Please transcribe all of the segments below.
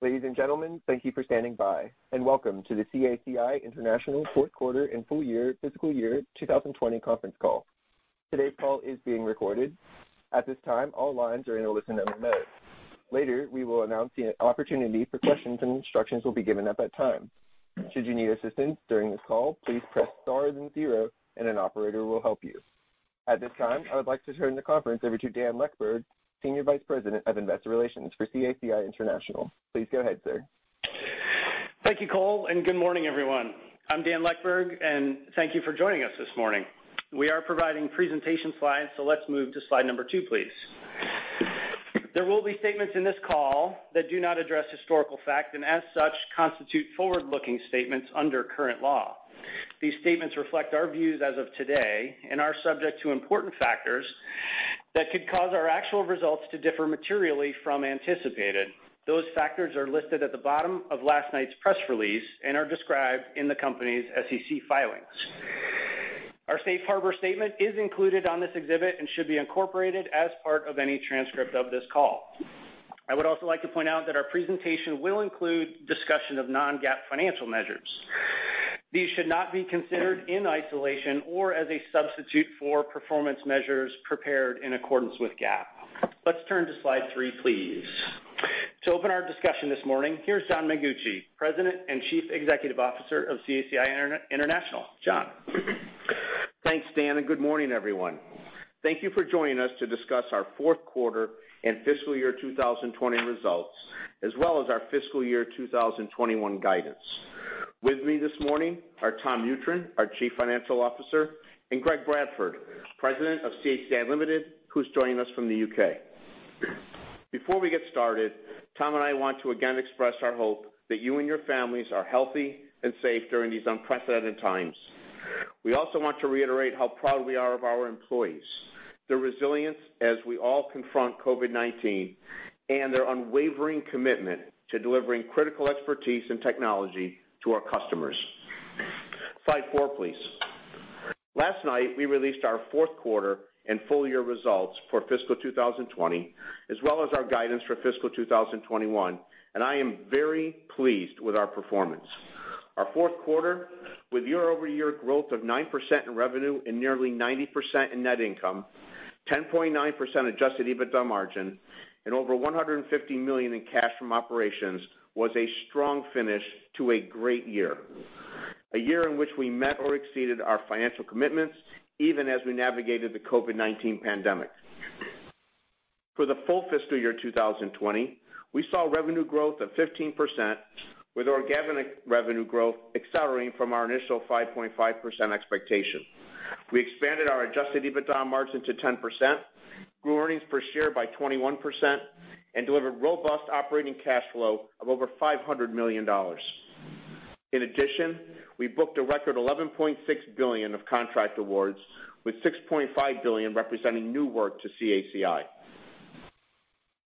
Ladies and gentlemen, thank you for standing by, and welcome to the CACI International Fourth Quarter and Full Year, Fiscal Year 2020 Conference Call. Today's call is being recorded. At this time, all lines are in a listen-only mode. Later, we will announce the opportunity for questions, and instructions will be given at that time. Should you need assistance during this call, please press star then zero, and an operator will help you. At this time, I would like to turn the conference over to Dan Leckburg, Senior Vice President of Investor Relations for CACI International. Please go ahead, sir. Thank you, Cole, and good morning, everyone. I'm Dan Leckburg, and thank you for joining us this morning. We are providing presentation slides, so let's move to slide number two, please. There will be statements in this call that do not address historical facts and, as such, constitute forward-looking statements under current law. These statements reflect our views as of today and are subject to important factors that could cause our actual results to differ materially from anticipated. Those factors are listed at the bottom of last night's press release and are described in the company's SEC filings. Our safe harbor statement is included on this exhibit and should be incorporated as part of any transcript of this call. I would also like to point out that our presentation will include discussion of non-GAAP financial measures. These should not be considered in isolation or as a substitute for performance measures prepared in accordance with GAAP. Let's turn to slide three, please. To open our discussion this morning, here's John Mengucci, President and Chief Executive Officer of CACI International. John. Thanks, Dan, and good morning, everyone. Thank you for joining us to discuss our fourth quarter and fiscal year 2020 results, as well as our fiscal year 2021 guidance. With me this morning are Tom Mutryn, our Chief Financial Officer, and Greg Bradford, President of CACI Limited, who's joining us from the U.K. Before we get started, Tom and I want to again express our hope that you and your families are healthy and safe during these unprecedented times. We also want to reiterate how proud we are of our employees, their resilience as we all confront COVID-19, and their unwavering commitment to delivering critical expertise and technology to our customers. Slide four, please. Last night, we released our fourth quarter and full year results for fiscal 2020, as well as our guidance for fiscal 2021, and I am very pleased with our performance. Our fourth quarter, with year-over-year growth of 9% in revenue and nearly 90% in net income, 10.9% adjusted EBITDA margin, and over $150 million in cash from operations, was a strong finish to a great year. A year in which we met or exceeded our financial commitments, even as we navigated the COVID-19 pandemic. For the full fiscal year 2020, we saw revenue growth of 15%, with organic revenue growth accelerating from our initial 5.5% expectation. We expanded our adjusted EBITDA margin to 10%, grew earnings per share by 21%, and delivered robust operating cash flow of over $500 million. In addition, we booked a record $11.6 billion of contract awards, with $6.5 billion representing new work to CACI.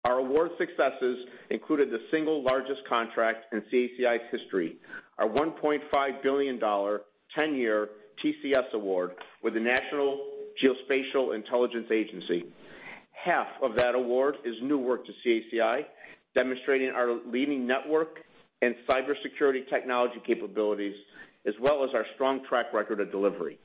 Our award successes included the single largest contract in CACI's history, our $1.5 billion 10-year TCS award with the National Geospatial-Intelligence Agency. Half of that award is new work to CACI, demonstrating our leading network and cybersecurity technology capabilities, as well as our strong track record of delivery.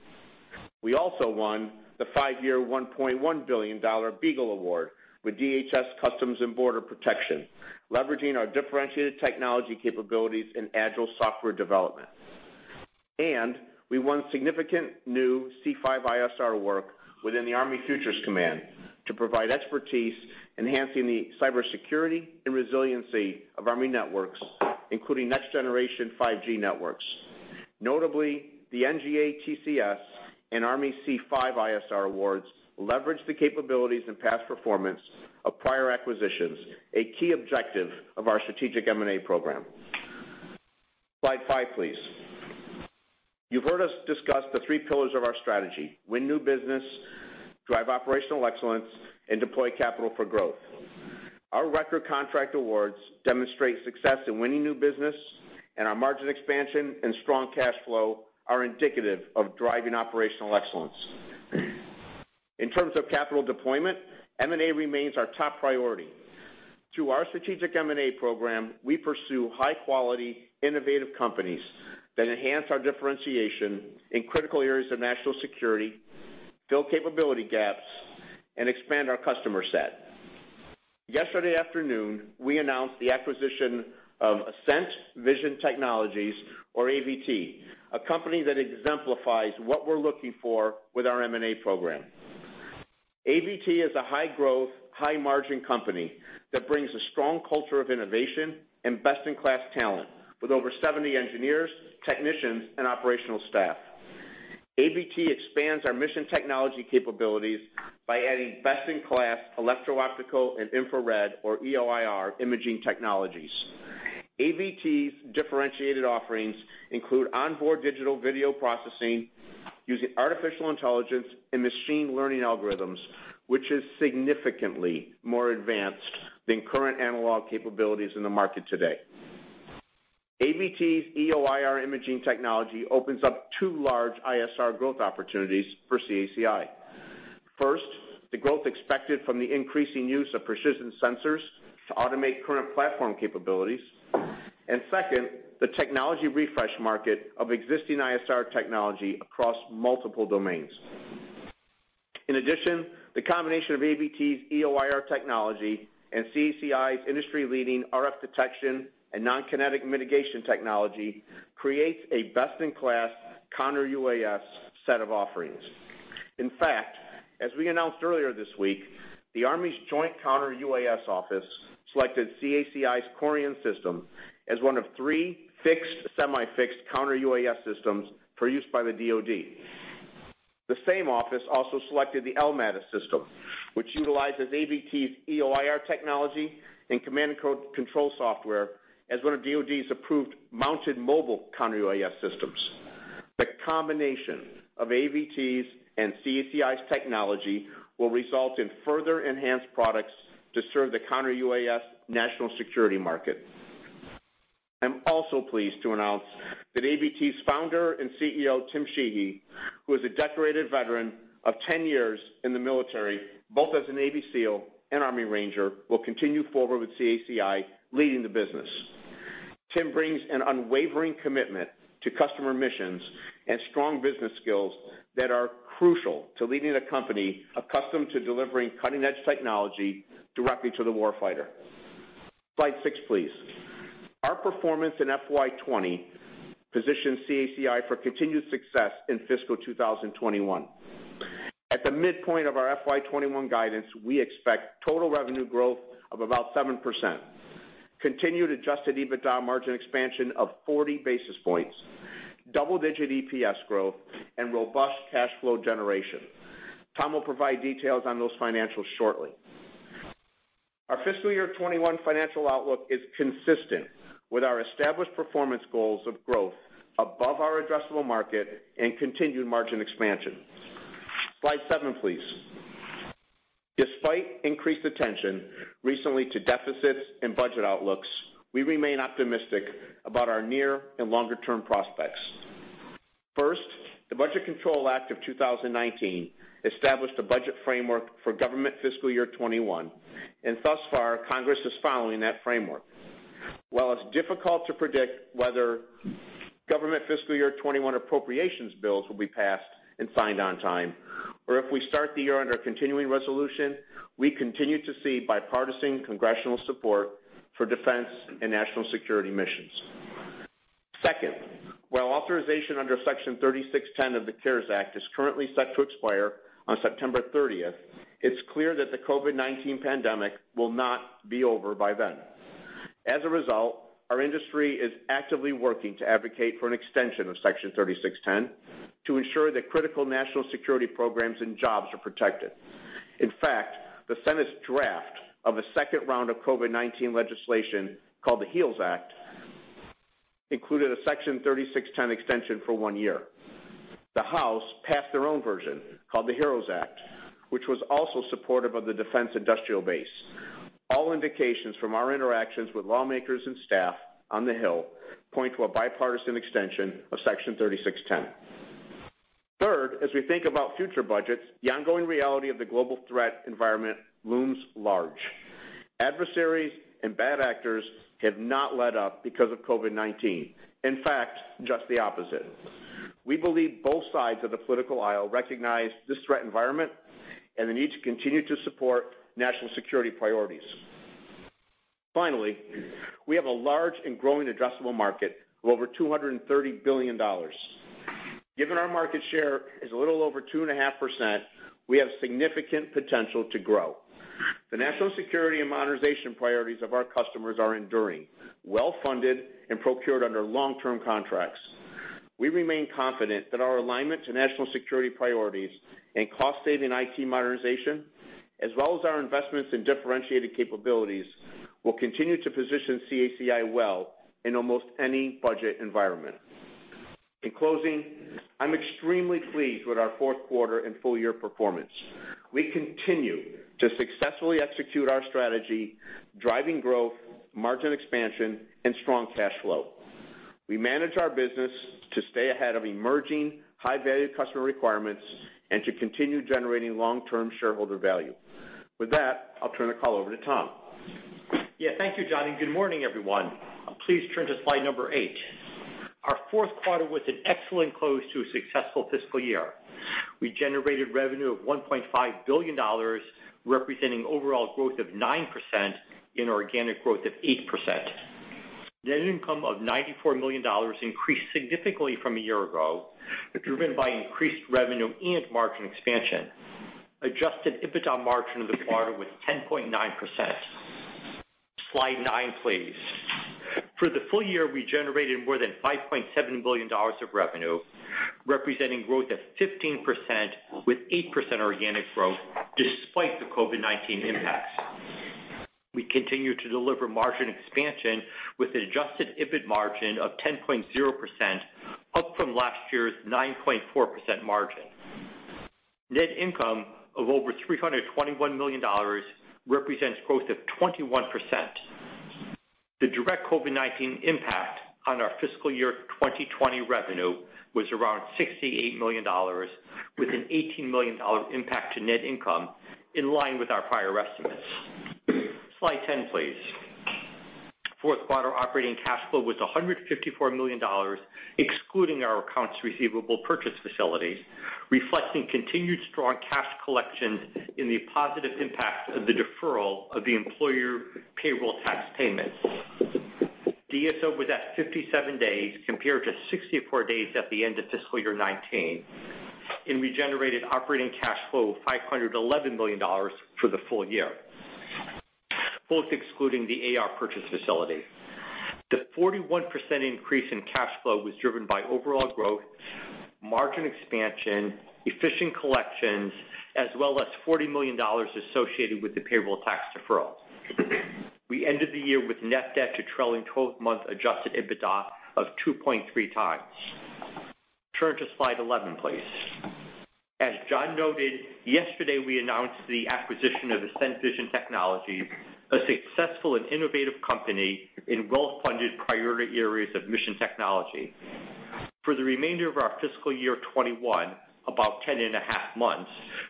We also won the five-year $1.1 billion BEAGLE Award with DHS Customs and Border Protection, leveraging our differentiated technology capabilities and agile software development. And we won significant new C5ISR work within the Army Futures Command to provide expertise enhancing the cybersecurity and resiliency of Army networks, including next-generation 5G networks. Notably, the NGA TCS and Army C5ISR awards leverage the capabilities and past performance of prior acquisitions, a key objective of our strategic M&A program. Slide five, please. You've heard us discuss the three pillars of our strategy: win new business, drive operational excellence, and deploy capital for growth. Our record contract awards demonstrate success in winning new business, and our margin expansion and strong cash flow are indicative of driving operational excellence. In terms of capital deployment, M&A remains our top priority. Through our strategic M&A program, we pursue high-quality, innovative companies that enhance our differentiation in critical areas of national security, fill capability gaps, and expand our customer set. Yesterday afternoon, we announced the acquisition of Ascent Vision Technologies, or AVT, a company that exemplifies what we're looking for with our M&A program. AVT is a high-growth, high-margin company that brings a strong culture of innovation and best-in-class talent, with over 70 engineers, technicians, and operational staff. AVT expands our mission technology capabilities by adding best-in-class electro-optical and infrared, or EO/IR, imaging technologies. AVT's differentiated offerings include onboard digital video processing using artificial intelligence and machine learning algorithms, which is significantly more advanced than current analog capabilities in the market today. AVT's EO/IR imaging technology opens up two large ISR growth opportunities for CACI. First, the growth expected from the increasing use of precision sensors to automate current platform capabilities, and second, the technology refresh market of existing ISR technology across multiple domains. In addition, the combination of AVT's EO/IR technology and CACI's industry-leading RF detection and non-kinetic mitigation technology creates a best-in-class counter-UAS set of offerings. In fact, as we announced earlier this week, the Army's Joint Counter-UAS Office selected CACI's CORIAN system as one of three fixed, semi-fixed counter-UAS systems for use by the DOD. The same office also selected the X-MADIS system, which utilizes AVT's EO/IR technology and command and control software as one of DOD's approved mounted mobile counter-UAS systems. The combination of AVT's and CACI's technology will result in further enhanced products to serve the counter-UAS national security market. I'm also pleased to announce that AVT's founder and CEO, Tim Sheehy, who is a decorated veteran of 10 years in the military, both as a Navy SEAL and Army Ranger, will continue forward with CACI, leading the business. Tim brings an unwavering commitment to customer missions and strong business skills that are crucial to leading a company accustomed to delivering cutting-edge technology directly to the warfighter. Slide six, please. Our performance in FY20 positions CACI for continued success in fiscal 2021. At the midpoint of our FY21 guidance, we expect total revenue growth of about 7%, continued adjusted EBITDA margin expansion of 40 basis points, double-digit EPS growth, and robust cash flow generation. Tom will provide details on those financials shortly. Our fiscal year 2021 financial outlook is consistent with our established performance goals of growth above our addressable market and continued margin expansion. Slide seven, please. Despite increased attention recently to deficits and budget outlooks, we remain optimistic about our near and longer-term prospects. First, the Budget Control Act of 2019 established a budget framework for government fiscal year 2021, and thus far, Congress is following that framework. While it's difficult to predict whether government fiscal year 2021 appropriations bills will be passed and signed on time, or if we start the year under a continuing resolution, we continue to see bipartisan congressional support for defense and national security missions. Second, while authorization under Section 3610 of the CARES Act is currently set to expire on September 30th, it's clear that the COVID-19 pandemic will not be over by then. As a result, our industry is actively working to advocate for an extension of Section 3610 to ensure that critical national security programs and jobs are protected. In fact, the Senate's draft of a second round of COVID-19 legislation called the HEALS Act included a Section 3610 extension for one year. The House passed their own version called the HEROES Act, which was also supportive of the defense industrial base. All indications from our interactions with lawmakers and staff on the Hill point to a bipartisan extension of Section 3610. Third, as we think about future budgets, the ongoing reality of the global threat environment looms large. Adversaries and bad actors have not let up because of COVID-19. In fact, just the opposite. We believe both sides of the political aisle recognize this threat environment and the need to continue to support national security priorities. Finally, we have a large and growing addressable market of over $230 billion. Given our market share is a little over 2.5%, we have significant potential to grow. The national security and modernization priorities of our customers are enduring, well-funded, and procured under long-term contracts. We remain confident that our alignment to national security priorities and cost-saving IT modernization, as well as our investments in differentiated capabilities, will continue to position CACI well in almost any budget environment. In closing, I'm extremely pleased with our fourth quarter and full year performance. We continue to successfully execute our strategy, driving growth, margin expansion, and strong cash flow. We manage our business to stay ahead of emerging high-value customer requirements and to continue generating long-term shareholder value. With that, I'll turn the call over to Tom. Yeah, thank you, John, and good morning, everyone. Please turn to slide number eight. Our fourth quarter was an excellent close to a successful fiscal year. We generated revenue of $1.5 billion, representing overall growth of 9% and organic growth of 8%. Net income of $94 million increased significantly from a year ago, driven by increased revenue and margin expansion. Adjusted EBITDA margin of the quarter was 10.9%. Slide nine, please. For the full year, we generated more than $5.7 billion of revenue, representing growth of 15% with 8% organic growth despite the COVID-19 impacts. We continue to deliver margin expansion with an adjusted EBIT margin of 10.0%, up from last year's 9.4% margin. Net income of over $321 million represents growth of 21%. The direct COVID-19 impact on our fiscal year 2020 revenue was around $68 million, with an $18 million impact to net income in line with our prior estimates. Slide 10, please. Fourth quarter operating cash flow was $154 million, excluding our accounts receivable purchase facilities, reflecting continued strong cash collection in the positive impact of the deferral of the employer payroll tax payments. DSO was at 57 days compared to 64 days at the end of fiscal year 2019, and we generated operating cash flow of $511 million for the full year, both excluding the AR purchase facility. The 41% increase in cash flow was driven by overall growth, margin expansion, efficient collections, as well as $40 million associated with the payroll tax deferral. We ended the year with net debt to trailing 12-month adjusted EBITDA of 2.3x. Turn to slide 11, please. As John noted, yesterday we announced the acquisition of Ascent Vision Technologies, a successful and innovative company in well-funded priority areas of mission technology. For the remainder of our fiscal year 2021, about 10 and a half months,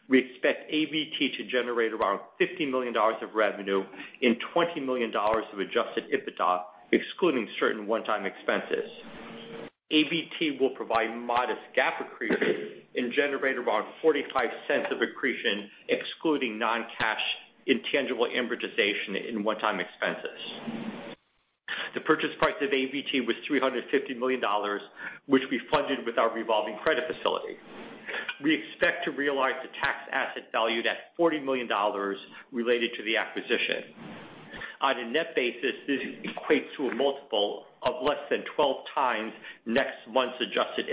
we expect AVT to generate around $50 million of revenue and $20 million of adjusted EBITDA, excluding certain one-time expenses. AVT will provide modest GAAP accretion and generate around $0.45 of accretion, excluding non-cash intangible amortization in one-time expenses. The purchase price of AVT was $350 million, which we funded with our revolving credit facility. We expect to realize the tax asset value at $40 million related to the acquisition. On a net basis, this equates to a multiple of less than 12x next month's adjusted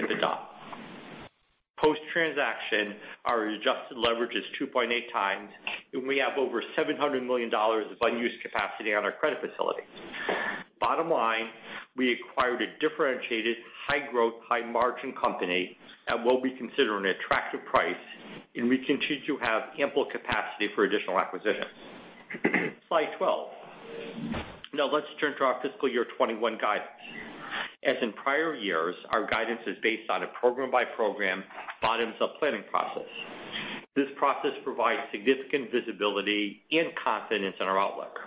EBITDA. Post-transaction, our adjusted leverage is 2.8x, and we have over $700 million of unused capacity on our credit facility. Bottom line, we acquired a differentiated, high-growth, high-margin company at what we consider an attractive price, and we continue to have ample capacity for additional acquisitions. Slide 12. Now let's turn to our fiscal year 2021 guidance. As in prior years, our guidance is based on a program-by-program bottoms-up planning process. This process provides significant visibility and confidence in our outlook.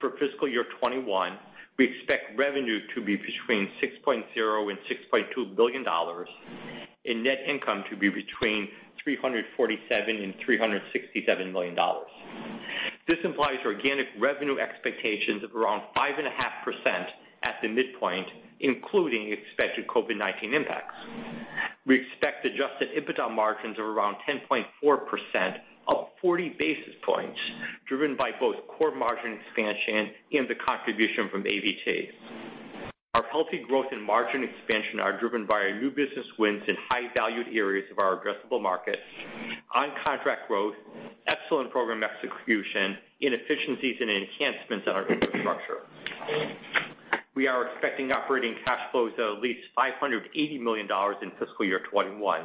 For fiscal year 2021, we expect revenue to be between $6.0-$6.2 billion, and net income to be between $347-$367 million. This implies organic revenue expectations of around 5.5% at the midpoint, including expected COVID-19 impacts. We expect adjusted EBITDA margins of around 10.4%, up 40 basis points, driven by both core margin expansion and the contribution from AVT. Our healthy growth and margin expansion are driven by our new business wins in high-valued areas of our addressable market, on-contract growth, excellent program execution, and efficiencies and enhancements on our infrastructure. We are expecting operating cash flows at least $580 million in fiscal year 2021.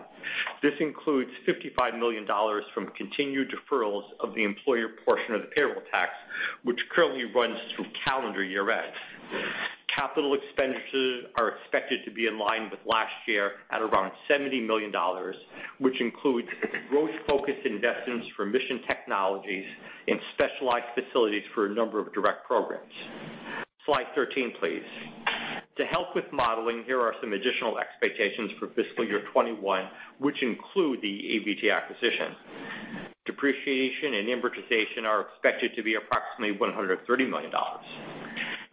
This includes $55 million from continued deferrals of the employer portion of the payroll tax, which currently runs through calendar year-end. Capital expenditures are expected to be in line with last year at around $70 million, which includes growth-focused investments for mission technologies and specialized facilities for a number of direct programs. Slide 13, please. To help with modeling, here are some additional expectations for fiscal year 2021, which include the AVT acquisition. Depreciation and amortization are expected to be approximately $130 million.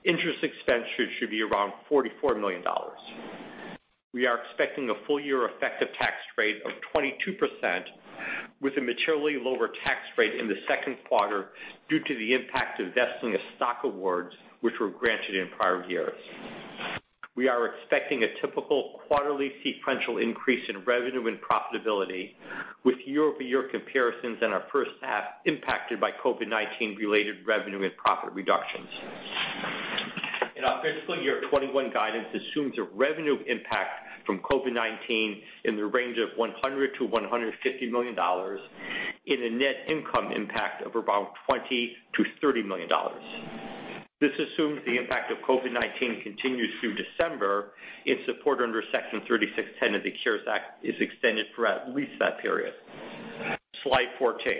Interest expenditures should be around $44 million. We are expecting a full-year effective tax rate of 22%, with a materially lower tax rate in the second quarter due to the impact of vesting of stock awards which were granted in prior years. We are expecting a typical quarterly sequential increase in revenue and profitability, with year-over-year comparisons in our first half impacted by COVID-19-related revenue and profit reductions. In our fiscal year 2021 guidance, it assumes a revenue impact from COVID-19 in the range of $100-$150 million and a net income impact of around $20-$30 million. This assumes the impact of COVID-19 continues through December, and support under Section 3610 of the CARES Act is extended for at least that period. Slide 14.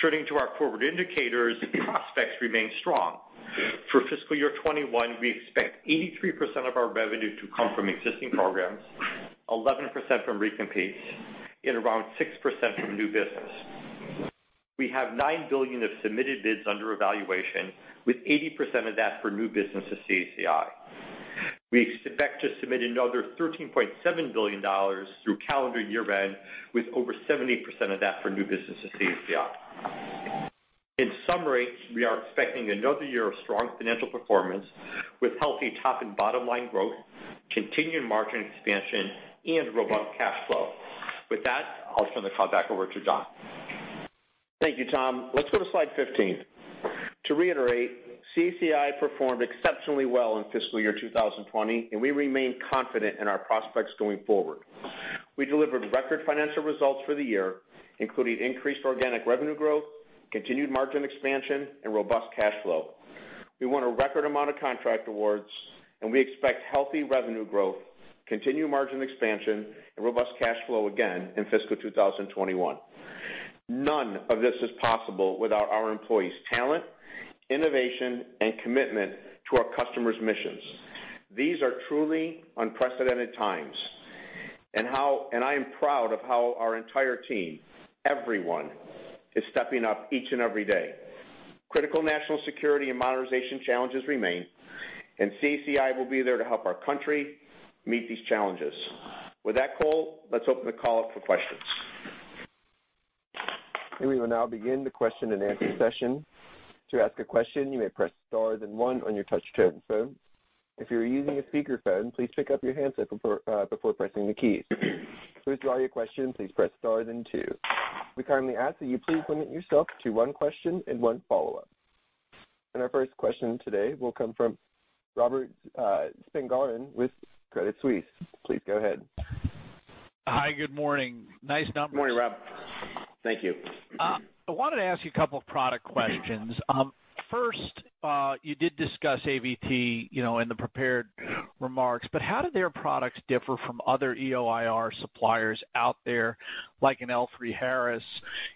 Turning to our forward indicators, prospects remain strong. For fiscal year 2021, we expect 83% of our revenue to come from existing programs, 11% from recent bids, and around 6% from new business. We have $9 billion of submitted bids under evaluation, with 80% of that for new business at CACI. We expect to submit another $13.7 billion through calendar year-end, with over 70% of that for new business at CACI. In summary, we are expecting another year of strong financial performance with healthy top and bottom-line growth, continued margin expansion, and robust cash flow. With that, I'll turn the call back over to John. Thank you, Tom. Let's go to slide 15. To reiterate, CACI performed exceptionally well in fiscal year 2020, and we remain confident in our prospects going forward. We delivered record financial results for the year, including increased organic revenue growth, continued margin expansion, and robust cash flow. We won a record amount of contract awards, and we expect healthy revenue growth, continued margin expansion, and robust cash flow again in fiscal 2021. None of this is possible without our employees' talent, innovation, and commitment to our customers' missions. These are truly unprecedented times, and I am proud of how our entire team, everyone, is stepping up each and every day. Critical national security and modernization challenges remain, and CACI will be there to help our country meet these challenges. With that, Cole, let's open the call up for questions. We will now begin the question-and-answer session. To ask a question, you may press star and one on your touchscreen phone. If you're using a speakerphone, please pick up your handset before pressing the keys. To ask all your questions, please press star and two. We kindly ask that you please limit yourself to one question and one follow-up. Our first question today will come from Robert Spingarn with Credit Suisse. Please go ahead. Hi, good morning. Nice number. Good morning, Rob. Thank you. I wanted to ask you a couple of product questions. First, you did discuss AVT in the prepared remarks, but how do their products differ from other EO/IR suppliers out there, like an L3Harris,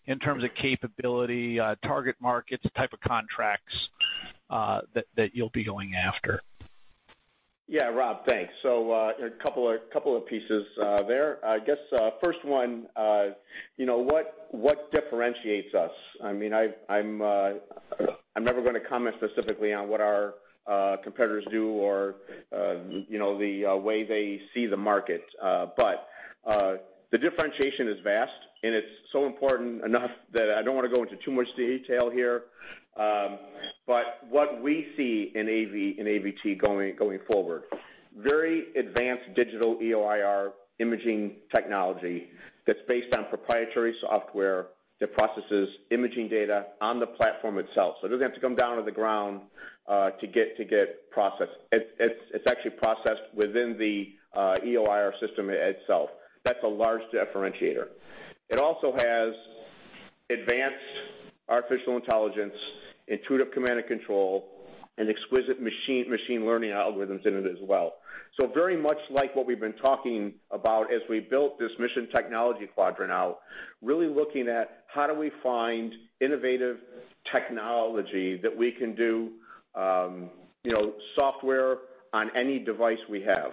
in terms of capability, target markets, type of contracts that you'll be going after? Yeah, Rob, thanks. So a couple of pieces there. I guess first one, what differentiates us? I mean, I'm never going to comment specifically on what our competitors do or the way they see the market, but the differentiation is vast, and it's so important enough that I don't want to go into too much detail here. But what we see in AVT going forward, very advanced digital EO/IR imaging technology that's based on proprietary software that processes imaging data on the platform itself. So it doesn't have to come down to the ground to get processed. It's actually processed within the EO/IR system itself. That's a large differentiator. It also has advanced artificial intelligence, intuitive command and control, and exquisite machine learning algorithms in it as well. So very much like what we've been talking about as we built this mission technology quadrant out, really looking at how do we find innovative technology that we can do software on any device we have.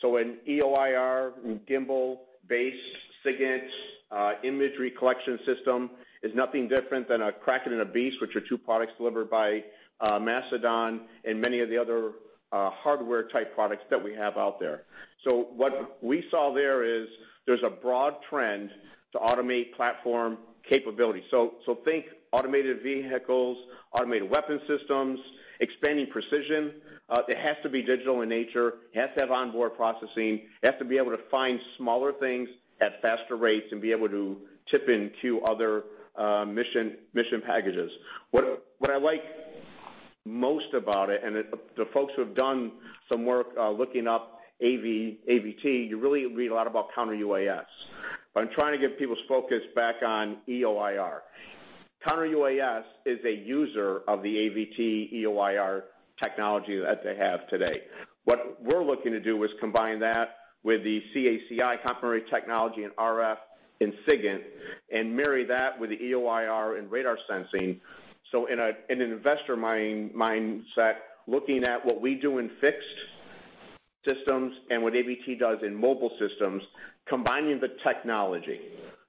So an EO/IR, gimbal-based SIGINT imagery collection system is nothing different than a Kraken and a Beast, which are two products delivered by Mastodon and many of the other hardware-type products that we have out there. So what we saw there is there's a broad trend to automate platform capability. So think automated vehicles, automated weapon systems, expanding precision. It has to be digital in nature. It has to have onboard processing. It has to be able to find smaller things at faster rates and be able to tip and cue other mission packages. What I like most about it, and the folks who have done some work looking up AVT, you really read a lot about Counter UAS. But I'm trying to get people's focus back on EO/IR. Counter UAS is a user of the AVT EO/IR technology that they have today. What we're looking to do is combine that with the CACI complementary technology and RF and SIGINT and marry that with the EO/IR and radar sensing. So in an investor mindset, looking at what we do in fixed systems and what AVT does in mobile systems, combining the technology.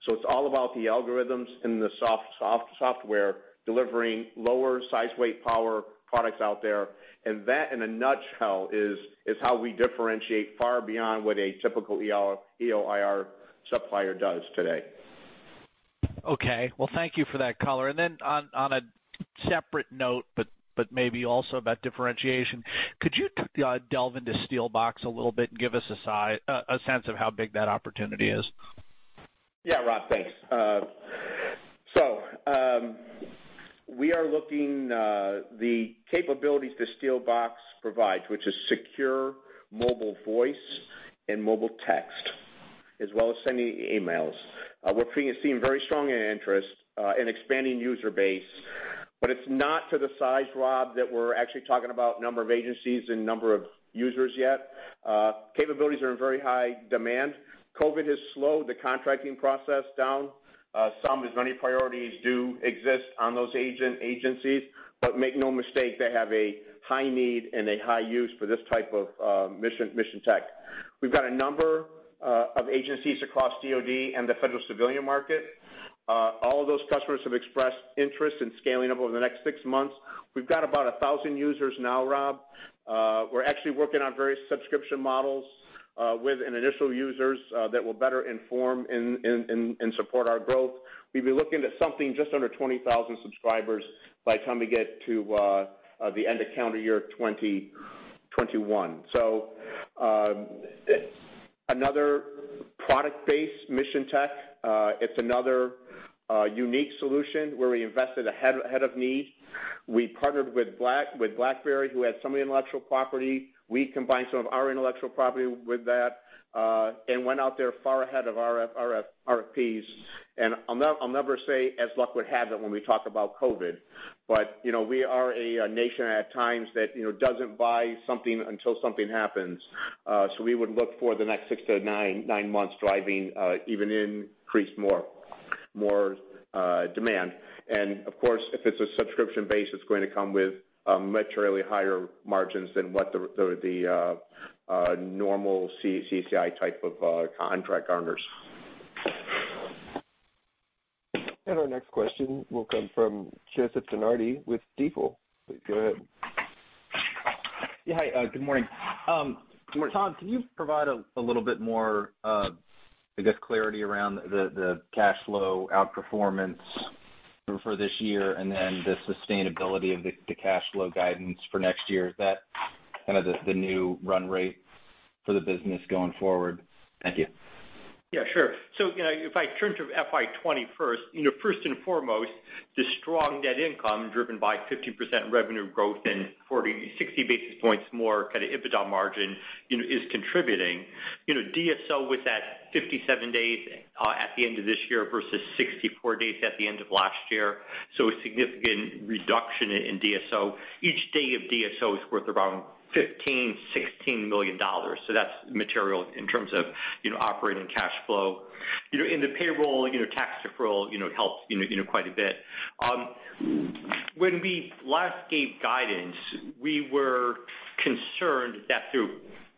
So it's all about the algorithms and the software delivering lower size weight power products out there. And that, in a nutshell, is how we differentiate far beyond what a typical EO/IR supplier does today. Okay. Well, thank you for that, color. And then on a separate note, but maybe also about differentiation, could you delve into SteelBox a little bit and give us a sense of how big that opportunity is? Yeah, Rob, thanks. So we are looking at the capabilities that SteelBox provides, which is secure mobile voice and mobile text, as well as sending emails. We're seeing very strong interest in expanding user base, but it's not to the size, Rob, that we're actually talking about number of agencies and number of users yet. Capabilities are in very high demand. COVID has slowed the contracting process down. So many priorities do exist on those agencies, but make no mistake, they have a high need and a high use for this type of mission tech. We've got a number of agencies across DOD and the federal civilian market. All of those customers have expressed interest in scaling up over the next six months. We've got about 1,000 users now, Rob. We're actually working on various subscription models with initial users that will better inform and support our growth. We've been looking at something just under 20,000 subscribers by the time we get to the end of calendar year 2021, so another product-based mission tech. It's another unique solution where we invested ahead of need. We partnered with BlackBerry, who had some intellectual property. We combined some of our intellectual property with that and went out there far ahead of our RFPs. And I'll never say as luck would have it when we talk about COVID, but we are a nation at times that doesn't buy something until something happens, so we would look for the next six to nine months driving even increased more demand. And of course, if it's a subscription base, it's going to come with materially higher margins than what the normal CACI type of contract earnings. Our next question will come from Joseph DeNardi with Stifel. Please go ahead. Yeah, hi. Good morning. Tom, can you provide a little bit more, I guess, clarity around the cash flow outperformance for this year and then the sustainability of the cash flow guidance for next year? Is that kind of the new run rate for the business going forward? Thank you. Yeah, sure. So if I turn to FY20 first, first and foremost, the strong net income driven by 50% revenue growth and 60 basis points more kind of EBITDA margin is contributing. DSO, with that 57 days at the end of this year versus 64 days at the end of last year. So a significant reduction in DSO. Each day of DSO is worth around $15-$16 million. So that's material in terms of operating cash flow. And the payroll, tax deferral helps quite a bit. When we last gave guidance, we were concerned that there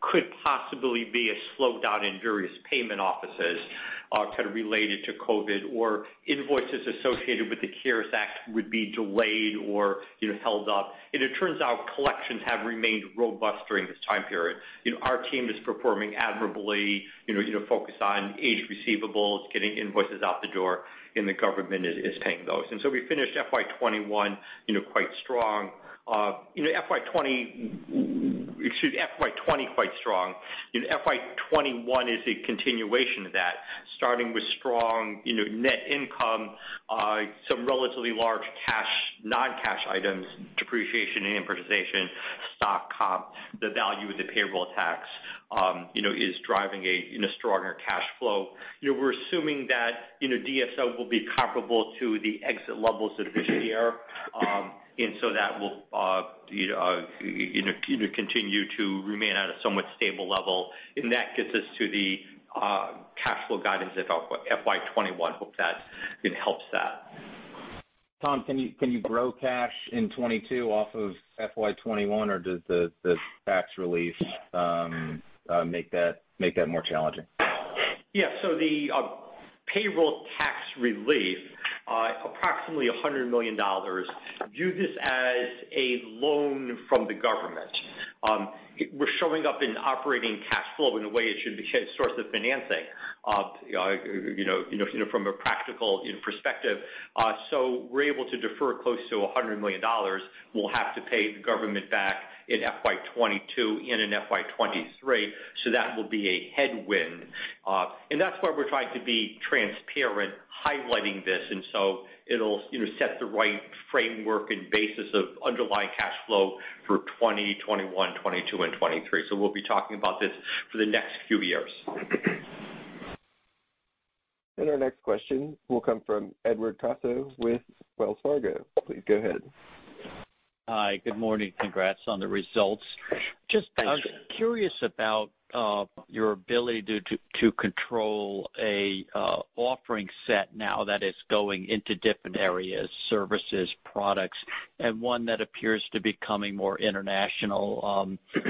could possibly be a slowdown in various payment offices kind of related to COVID or invoices associated with the CARES Act would be delayed or held up. And it turns out collections have remained robust during this time period. Our team is performing admirably, focused on aged receivables, getting invoices out the door, and the government is paying those. We finished FY20 quite strong. FY21 is a continuation of that, starting with strong net income, some relatively large cash non-cash items, depreciation and amortization, stock comp. The value of the payroll tax is driving a stronger cash flow. We're assuming that DSO will be comparable to the exit levels of this year, and so that will continue to remain at a somewhat stable level. That gets us to the cash flow guidance of FY21. Hope that helps. Tom, can you grow cash in 2022 off of FY21, or does the tax relief make that more challenging? Yeah. So the payroll tax relief, approximately $100 million, view this as a loan from the government. We're showing up in operating cash flow in a way, it should be a source of financing from a practical perspective, so we're able to defer close to $100 million. We'll have to pay the government back in FY22 and in FY23, so that will be a headwind, and that's why we're trying to be transparent, highlighting this, so it'll set the right framework and basis of underlying cash flow for 2020, 2021, 2022, and 2023, so we'll be talking about this for the next few years. Our next question will come from Edward Caso with Wells Fargo. Please go ahead. Hi, good morning. Congrats on the results. Just curious about your ability to control an offering set now that is going into different areas, services, products, and one that appears to be becoming more international.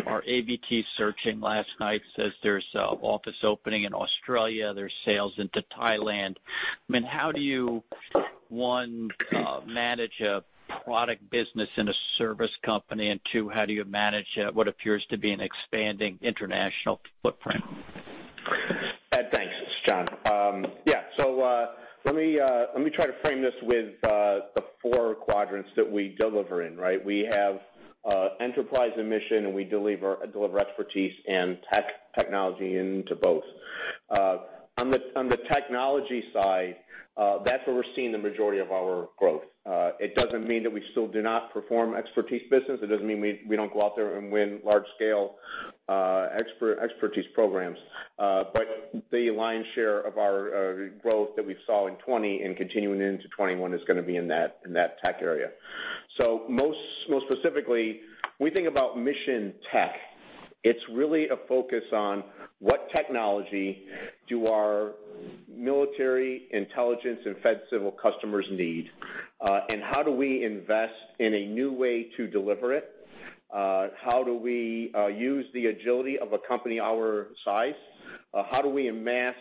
Our AVT searching last night says there's an office opening in Australia. There's sales into Thailand. I mean, how do you, one, manage a product business in a service company, and two, how do you manage what appears to be an expanding international footprint? Thanks, John. Yeah. So let me try to frame this with the four quadrants that we deliver in, right? We have enterprise and mission, and we deliver expertise and technology into both. On the technology side, that's where we're seeing the majority of our growth. It doesn't mean that we still do not perform expertise business. It doesn't mean we don't go out there and win large-scale expertise programs. But the lion's share of our growth that we saw in 2020 and continuing into 2021 is going to be in that tech area. So most specifically, when we think about mission tech, it's really a focus on what technology do our military, intelligence, and fed civil customers need, and how do we invest in a new way to deliver it? How do we use the agility of a company our size? How do we amass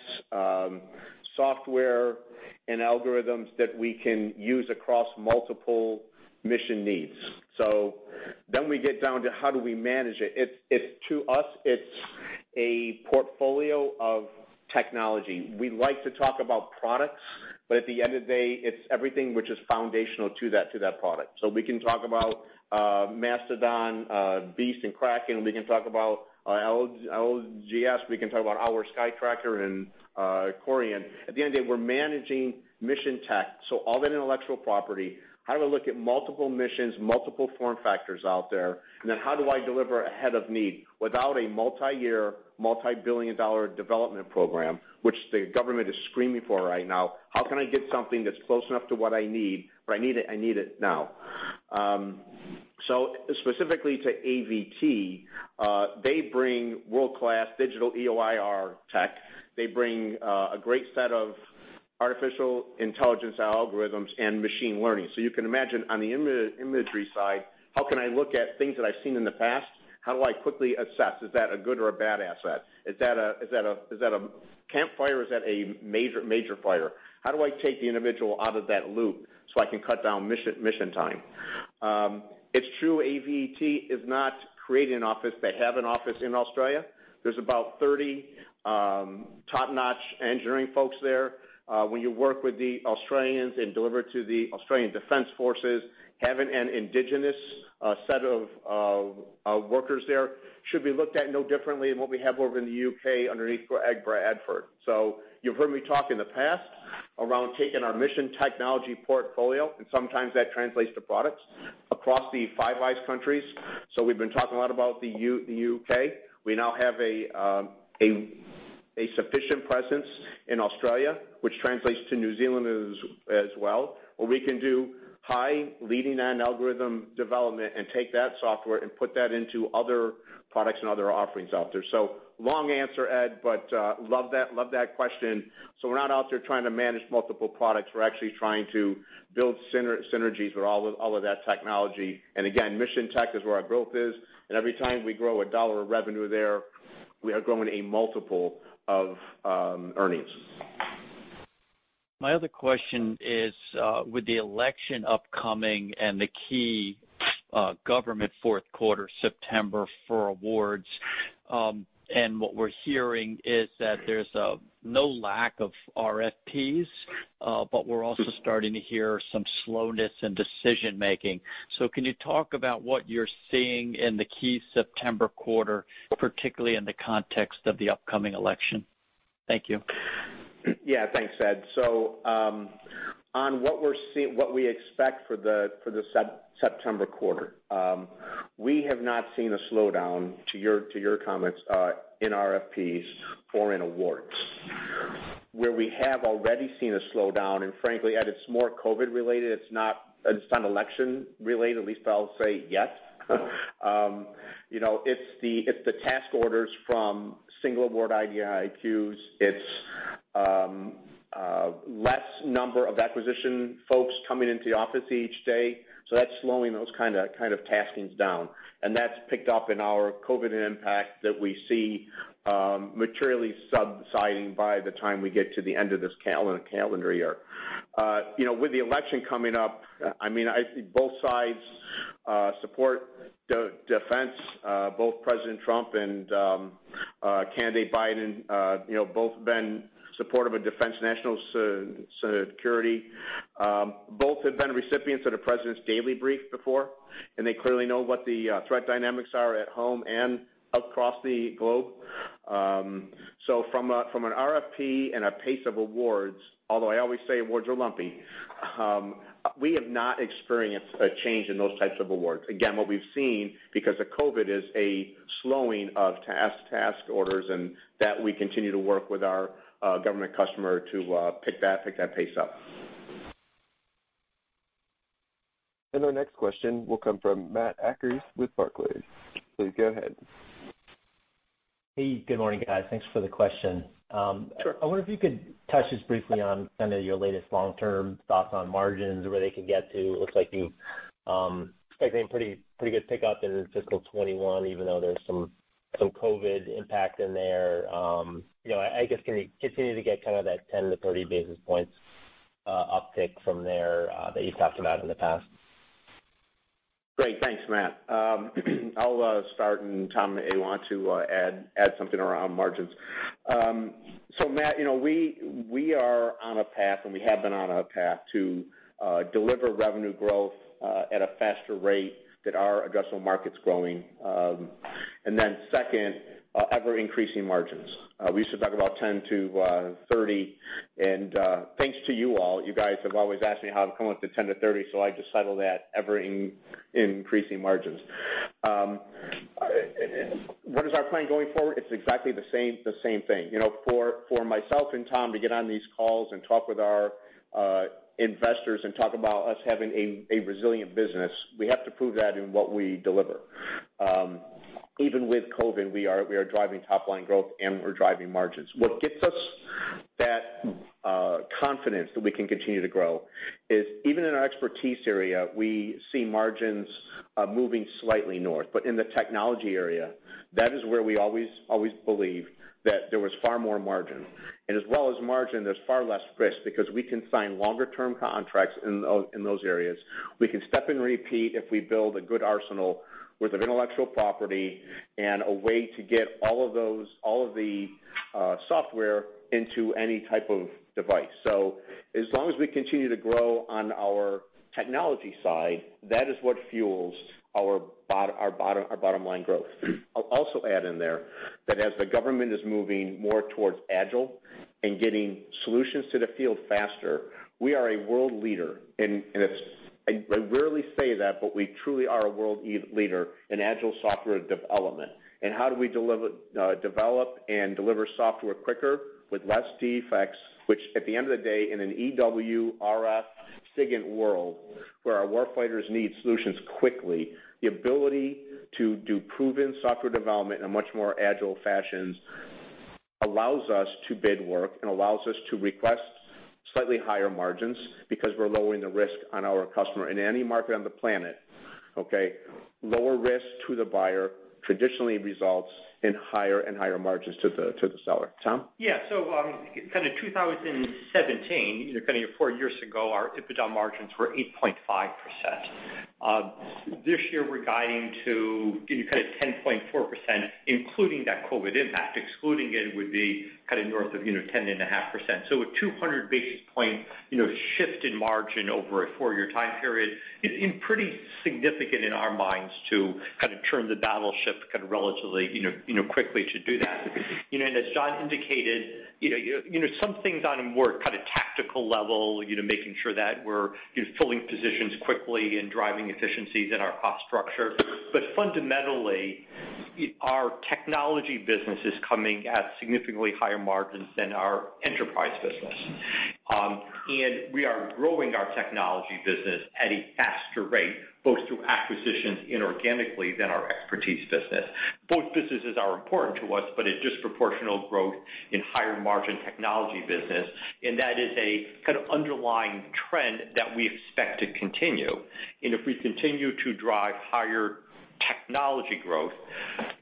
software and algorithms that we can use across multiple mission needs? So then we get down to how do we manage it? To us, it's a portfolio of technology. We like to talk about products, but at the end of the day, it's everything which is foundational to that product. So we can talk about MacLaurin, Beast, and Kraken. We can talk about LGS. We can talk about our SkyTracker and CORIAN. At the end of the day, we're managing mission tech. So all that intellectual property, how do I look at multiple missions, multiple form factors out there? And then how do I deliver ahead of need without a multi-year, multi-billion dollar development program, which the government is screaming for right now? How can I get something that's close enough to what I need, but I need it now? So specifically to AVT, they bring world-class digital EO/IR tech. They bring a great set of artificial intelligence algorithms and machine learning. So you can imagine on the imagery side, how can I look at things that I've seen in the past? How do I quickly assess? Is that a good or a bad asset? Is that a campfire? Is that a major fire? How do I take the individual out of that loop so I can cut down mission time? It's true AVT is not creating an office. They have an office in Australia. There's about 30 top-notch engineering folks there. When you work with the Australians and deliver to the Australian Defense Forces, having an indigenous set of workers there should be looked at no differently than what we have over in the U.K. underneath Greg Bradford. So you've heard me talk in the past around taking our mission technology portfolio, and sometimes that translates to products across the Five Eyes countries. So we've been talking a lot about the U.K.. We now have a sufficient presence in Australia, which translates to New Zealand as well, where we can do high-level analysis and algorithm development and take that software and put that into other products and other offerings out there. So long answer, Ed, but love that question. So we're not out there trying to manage multiple products. We're actually trying to build synergies with all of that technology. And again, mission tech is where our growth is. And every time we grow a dollar of revenue there, we are growing a multiple of earnings. My other question is, with the election upcoming and the key government fourth quarter, September, for awards, and what we're hearing is that there's no lack of RFPs, but we're also starting to hear some slowness in decision-making. So can you talk about what you're seeing in the key September quarter, particularly in the context of the upcoming election? Thank you. Yeah, thanks, Ed. So on what we expect for the September quarter, we have not seen a slowdown, to your comments, in RFPs or in awards, where we have already seen a slowdown. And frankly, Ed, it's more COVID-related. It's not election-related, at least I'll say yet. It's the task orders from single award IDIQs. It's less number of acquisition folks coming into the office each day. So that's slowing those kind of taskings down. And that's picked up in our COVID impact that we see materially subsiding by the time we get to the end of this calendar year. With the election coming up, I mean, I see both sides support defense. Both President Trump and candidate Biden have both been supportive of defense national security. Both have been recipients of the president's daily brief before, and they clearly know what the threat dynamics are at home and across the globe. So from an RFP and a pace of awards, although I always say awards are lumpy, we have not experienced a change in those types of awards. Again, what we've seen, because of COVID, is a slowing of task orders and that we continue to work with our government customer to pick that pace up. Our next question will come from Matt Akers with Barclays. Please go ahead. Hey, good morning, guys. Thanks for the question. I wonder if you could touch just briefly on kind of your latest long-term thoughts on margins where they could get to. It looks like you expect a pretty good pickup in fiscal 2021, even though there's some COVID impact in there. I guess, can you continue to get kind of that 10-30 basis points uptick from there that you've talked about in the past? Great. Thanks, Matt. I'll start, and Tom may want to add something around margins. So Matt, we are on a path, and we have been on a path to deliver revenue growth at a faster rate than our addressable market's growing. And then second, ever-increasing margins. We used to talk about 10-30. And thanks to you all. You guys have always asked me how I've come up with 10-30, so I just say that ever-increasing margins. What is our plan going forward? It's exactly the same thing. For myself and Tom to get on these calls and talk with our investors and talk about us having a resilient business, we have to prove that in what we deliver. Even with COVID, we are driving top-line growth, and we're driving margins. What gets us that confidence that we can continue to grow is even in our expertise area, we see margins moving slightly north. But in the technology area, that is where we always believe that there was far more margin. And as well as margin, there's far less risk because we can sign longer-term contracts in those areas. We can step and repeat if we build a good arsenal worth of intellectual property and a way to get all of the software into any type of device. So as long as we continue to grow on our technology side, that is what fuels our bottom-line growth. I'll also add in there that as the government is moving more towards agile and getting solutions to the field faster, we are a world leader. And I rarely say that, but we truly are a world leader in agile software development. How do we develop and deliver software quicker with less defects, which at the end of the day, in an EW, RF SIGINT world where our war fighters need solutions quickly, the ability to do proven software development in a much more agile fashion allows us to bid work and allows us to request slightly higher margins because we're lowering the risk on our customer in any market on the planet, okay? Lower risk to the buyer traditionally results in higher and higher margins to the seller. Tom? Yeah. So kind of 2017, kind of four years ago, our EBITDA margins were 8.5%. This year, we're guiding to kind of 10.4%, including that COVID impact. Excluding it would be kind of north of 10.5%. A 200 basis point shift in margin over a four-year time period is pretty significant in our minds to kind of turn the battleship kind of relatively quickly to do that. And as John indicated, some things on a more kind of tactical level, making sure that we're filling positions quickly and driving efficiencies in our cost structure. But fundamentally, our technology business is coming at significantly higher margins than our enterprise business. And we are growing our technology business at a faster rate, both through acquisitions inorganically than our expertise business. Both businesses are important to us, but it's disproportional growth in higher margin technology business. And that is a kind of underlying trend that we expect to continue. And if we continue to drive higher technology growth,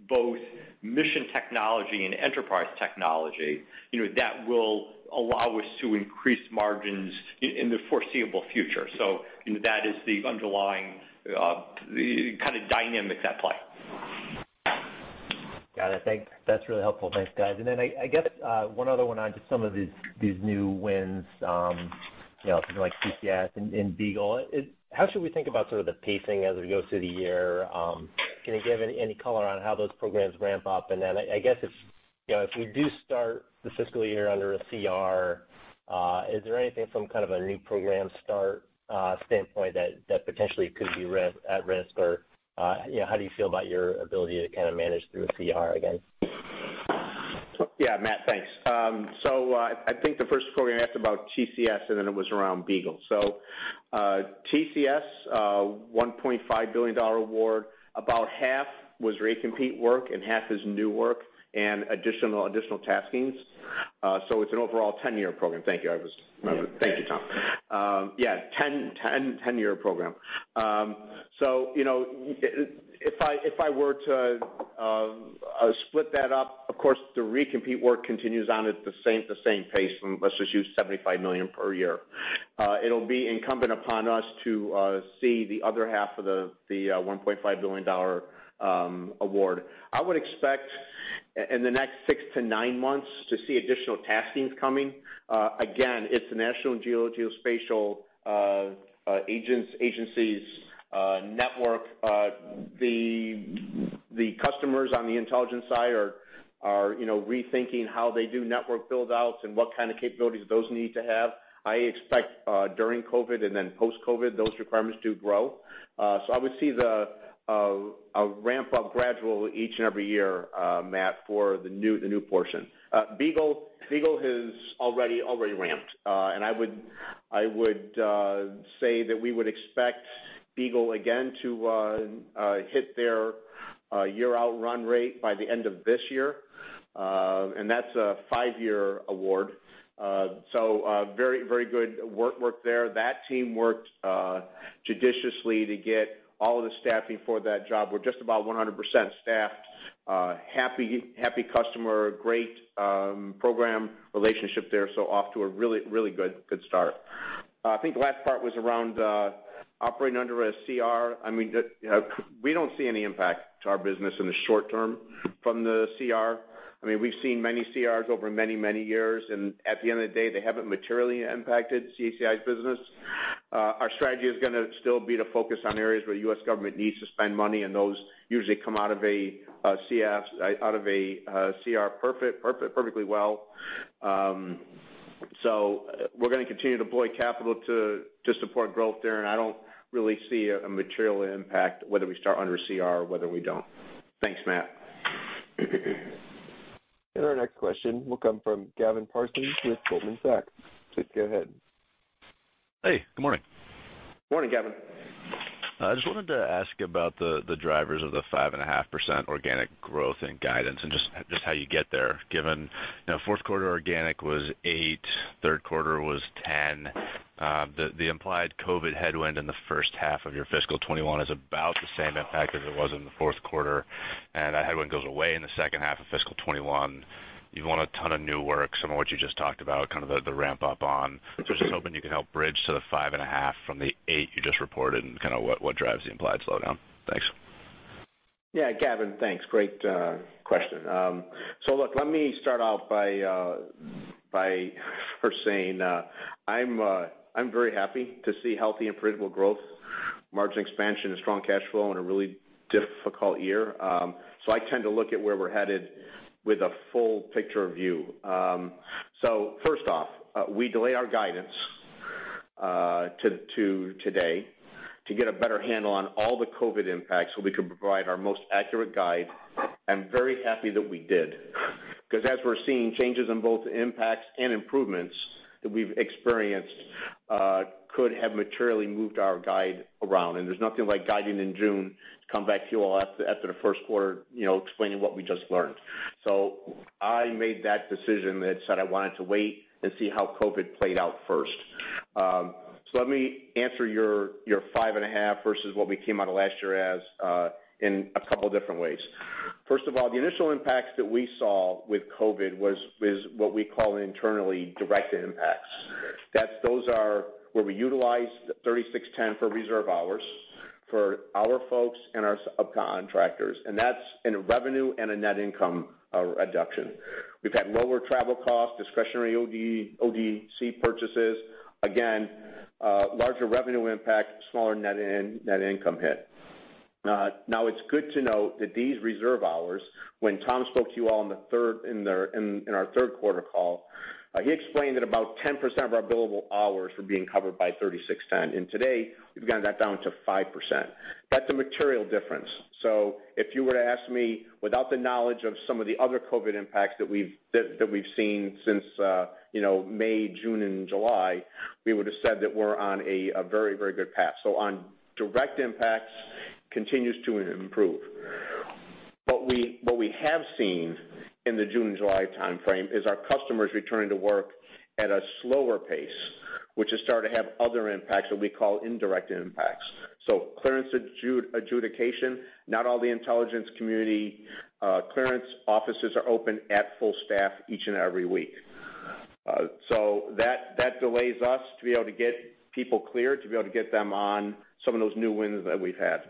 both mission technology and enterprise technology, that will allow us to increase margins in the foreseeable future. So that is the underlying kind of dynamic at play. Got it. Thanks. That's really helpful. Thanks, guys. And then I guess one other one on just some of these new wins, something like TCS and BEAGLE. How should we think about sort of the pacing as we go through the year? Can you give any color on how those programs ramp up? And then I guess if we do start the fiscal year under a CR, is there anything from kind of a new program start standpoint that potentially could be at risk? Or how do you feel about your ability to kind of manage through a CR again? Yeah, Matt, thanks. So I think the first program you asked about, TCS, and then it was around BEAGLE. So TCS, $1.5 billion award. About half was recompete work, and half is new work and additional taskings. So it's an overall 10-year program. Thank you. Thank you, Tom. Yeah, 10-year program. So if I were to split that up, of course, the recompete work continues on at the same pace. Let's just use $75 million per year. It'll be incumbent upon us to see the other half of the $1.5 billion award. I would expect in the next six to nine months to see additional taskings coming. Again, it's the National Geospatial-Intelligence Agency's network. The customers on the intelligence side are rethinking how they do network build-outs and what kind of capabilities those need to have. I expect during COVID and then post-COVID, those requirements do grow. I would see a ramp-up gradual each and every year, Matt, for the new portion. BEAGLE has already ramped. And I would say that we would expect BEAGLE again to hit their year-out run rate by the end of this year. And that's a five-year award. So very good work there. That team worked judiciously to get all of the staffing for that job. We're just about 100% staffed. Happy customer, great program relationship there. So off to a really good start. I think the last part was around operating under a CR. I mean, we don't see any impact to our business in the short term from the CR. I mean, we've seen many CRs over many, many years. And at the end of the day, they haven't materially impacted CACI's business. Our strategy is going to still be to focus on areas where the U.S. government needs to spend money, and those usually come out of a CR perfectly well. So we're going to continue to deploy capital to support growth there. And I don't really see a material impact whether we start under CR or whether we don't. Thanks, Matt. Our next question will come from Gavin Parsons with Goldman Sachs. Please go ahead. Hey, good morning. Morning, Gavin. I just wanted to ask about the drivers of the 5.5% organic growth and guidance and just how you get there, given fourth quarter organic was 8%, third quarter was 10%. The implied COVID headwind in the first half of your fiscal 2021 is about the same impact as it was in the fourth quarter. And that headwind goes away in the second half of fiscal 2021. You want a ton of new work, some of what you just talked about, kind of the ramp-up on. So just hoping you can help bridge to the 5.5 from the 8 you just reported and kind of what drives the implied slowdown. Thanks. Yeah, Gavin, thanks. Great question, so look, let me start out by first saying I'm very happy to see healthy and predictable growth, margin expansion, and strong cash flow in a really difficult year, so I tend to look at where we're headed with a full picture view, so first off, we delayed our guidance to today to get a better handle on all the COVID impacts so we could provide our most accurate guide. I'm very happy that we did because as we're seeing changes in both impacts and improvements that we've experienced could have materially moved our guide around, and there's nothing like guiding in June, come back to you all after the first quarter, explaining what we just learned, so I made that decision that said I wanted to wait and see how COVID played out first. So let me answer your 5.5 versus what we came out of last year in a couple of different ways. First of all, the initial impacts that we saw with COVID-19 was what we call internally directed impacts. Those are where we utilized 3610 for reserve hours for our folks and our subcontractors. And that's in revenue and a net income reduction. We've had lower travel costs, discretionary ODC purchases. Again, larger revenue impact, smaller net income hit. Now, it's good to note that these reserve hours, when Tom spoke to you all in our third quarter call, he explained that about 10% of our billable hours were being covered by 3610. And today, we've gotten that down to 5%. That's a material difference. So, if you were to ask me without the knowledge of some of the other COVID impacts that we've seen since May, June, and July, we would have said that we're on a very, very good path. So, on direct impacts, continues to improve. What we have seen in the June and July timeframe is our customers returning to work at a slower pace, which has started to have other impacts that we call indirect impacts. So, clearance adjudication, not all the intelligence community clearance offices are open at full staff each and every week. So, that delays us to be able to get people cleared, to be able to get them on some of those new wins that we've had.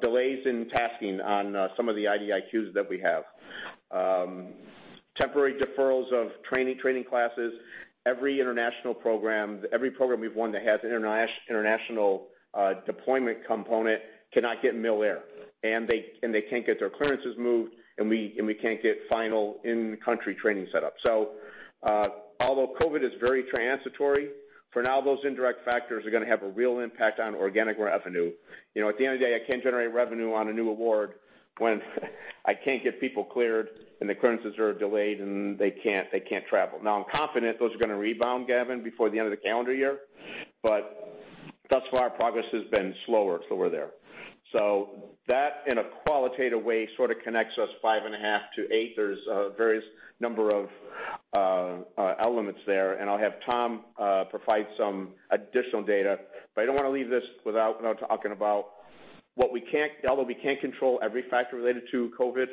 Delays in tasking on some of the IDIQs that we have. Temporary deferrals of training classes. Every international program, every program we've won that has an international deployment component cannot get in the air. They can't get their clearances moved, and we can't get final in-country training set up, so although COVID is very transitory, for now, those indirect factors are going to have a real impact on organic revenue. At the end of the day, I can't generate revenue on a new award when I can't get people cleared, and the clearances are delayed, and they can't travel. Now, I'm confident those are going to rebound, Gavin, before the end of the calendar year, but thus far, progress has been slower there, so that, in a qualitative way, sort of connects us 5.5%-8%. There's a variety of elements there, and I'll have Tom provide some additional data. But I don't want to leave this without talking about what we can't, although we can't control every factor related to COVID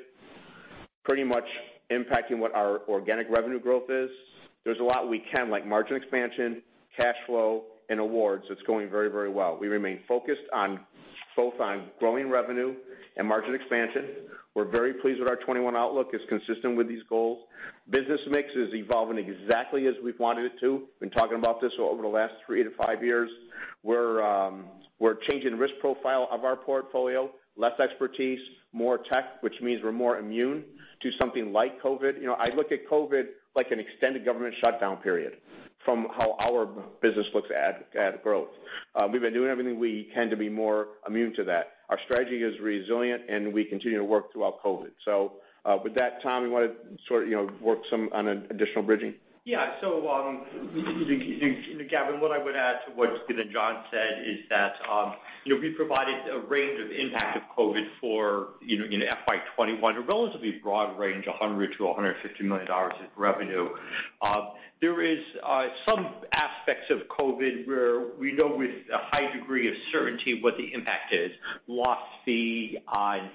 pretty much impacting what our organic revenue growth is. There's a lot we can, like margin expansion, cash flow, and awards that's going very, very well. We remain focused both on growing revenue and margin expansion. We're very pleased with our 2021 outlook. It's consistent with these goals. Business mix is evolving exactly as we've wanted it to. We've been talking about this over the last three to five years. We're changing the risk profile of our portfolio, less expertise, more tech, which means we're more immune to something like COVID. I look at COVID like an extended government shutdown period from how our business looks at growth. We've been doing everything we can to be more immune to that. Our strategy is resilient, and we continue to work throughout COVID. So with that, Tom, you want to sort of work some on additional bridging? Yeah. So, Gavin, what I would add to what John said is that we provided a range of impact of COVID for FY 2021, a relatively broad range, $100 million-$150 million in revenue. There are some aspects of COVID where we know with a high degree of certainty what the impact is: loss fee on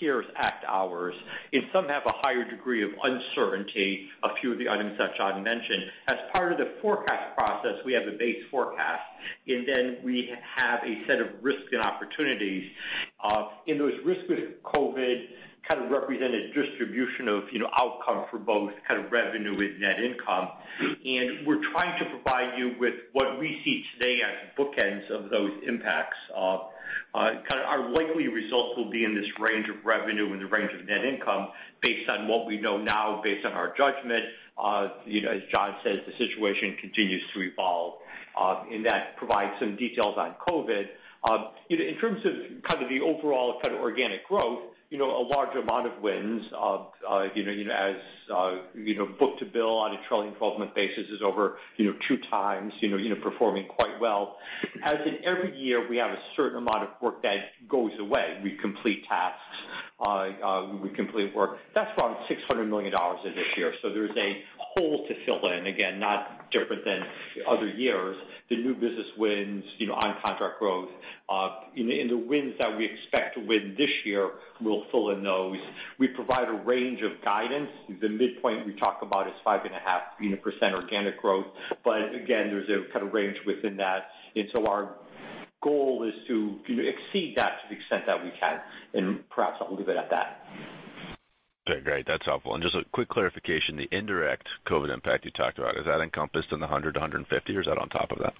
CARES Act hours. And some have a higher degree of uncertainty, a few of the items that John mentioned. As part of the forecast process, we have a base forecast. And then we have a set of risks and opportunities. And those risks with COVID kind of represent a distribution of outcome for both kind of revenue and net income. And we're trying to provide you with what we see today as bookends of those impacts. Kind of, our likely result will be in this range of revenue and the range of net income based on what we know now, based on our judgment. As John says, the situation continues to evolve. And that provides some details on COVID. In terms of kind of the overall kind of organic growth, a large amount of wins as book-to-bill on a trailing 12-month basis is over 2x, performing quite well. As in every year, we have a certain amount of work that goes away. We complete tasks. We complete work. That's around $600 million in this year. So there's a hole to fill in, again, not different than other years. The new business wins on contract growth. And the wins that we expect to win this year will fill in those. We provide a range of guidance. The midpoint we talk about is 5.5% organic growth. But again, there's a kind of range within that. And so our goal is to exceed that to the extent that we can. And perhaps I'll leave it at that. Okay. Great. That's helpful. And just a quick clarification. The indirect COVID impact you talked about, is that encompassed in the 100 to 150, or is that on top of that?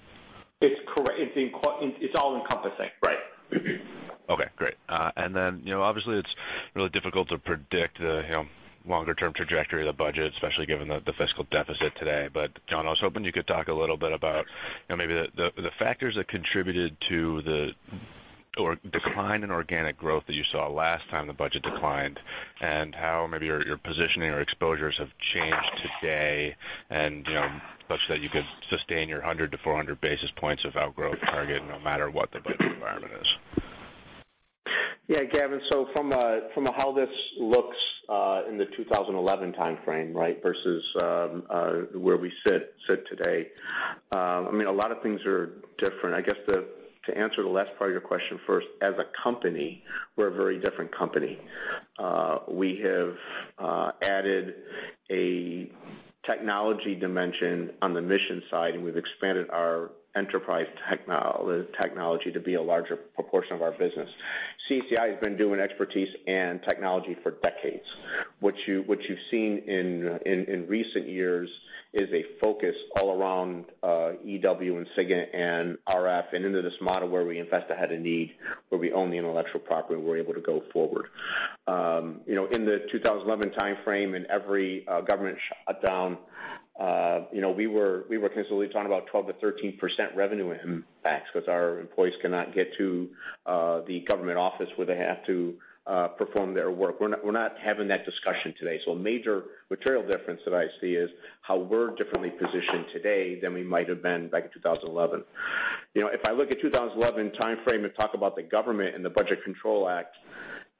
It's all encompassing. Right. Okay. Great, and then obviously, it's really difficult to predict the longer-term trajectory of the budget, especially given the fiscal deficit today, but John, I was hoping you could talk a little bit about maybe the factors that contributed to the decline in organic growth that you saw last time the budget declined and how maybe your positioning or exposures have changed today and such that you could sustain your 100 to 400 basis points of outgrowth target no matter what the budget environment is. Yeah, Gavin. So from how this looks in the 2011 timeframe, right, versus where we sit today, I mean, a lot of things are different. I guess to answer the last part of your question first, as a company, we're a very different company. We have added a technology dimension on the mission side, and we've expanded our enterprise technology to be a larger proportion of our business. CACI has been doing expertise and technology for decades. What you've seen in recent years is a focus all around EW and SIGINT and RF and into this model where we invest ahead of need, where we own the intellectual property, and we're able to go forward. In the 2011 timeframe, in every government shutdown, we were consistently talking about 12%-13% revenue impacts because our employees cannot get to the government office where they have to perform their work. We're not having that discussion today, so a major material difference that I see is how we're differently positioned today than we might have been back in 2011. If I look at 2011 timeframe and talk about the government and the Budget Control Act,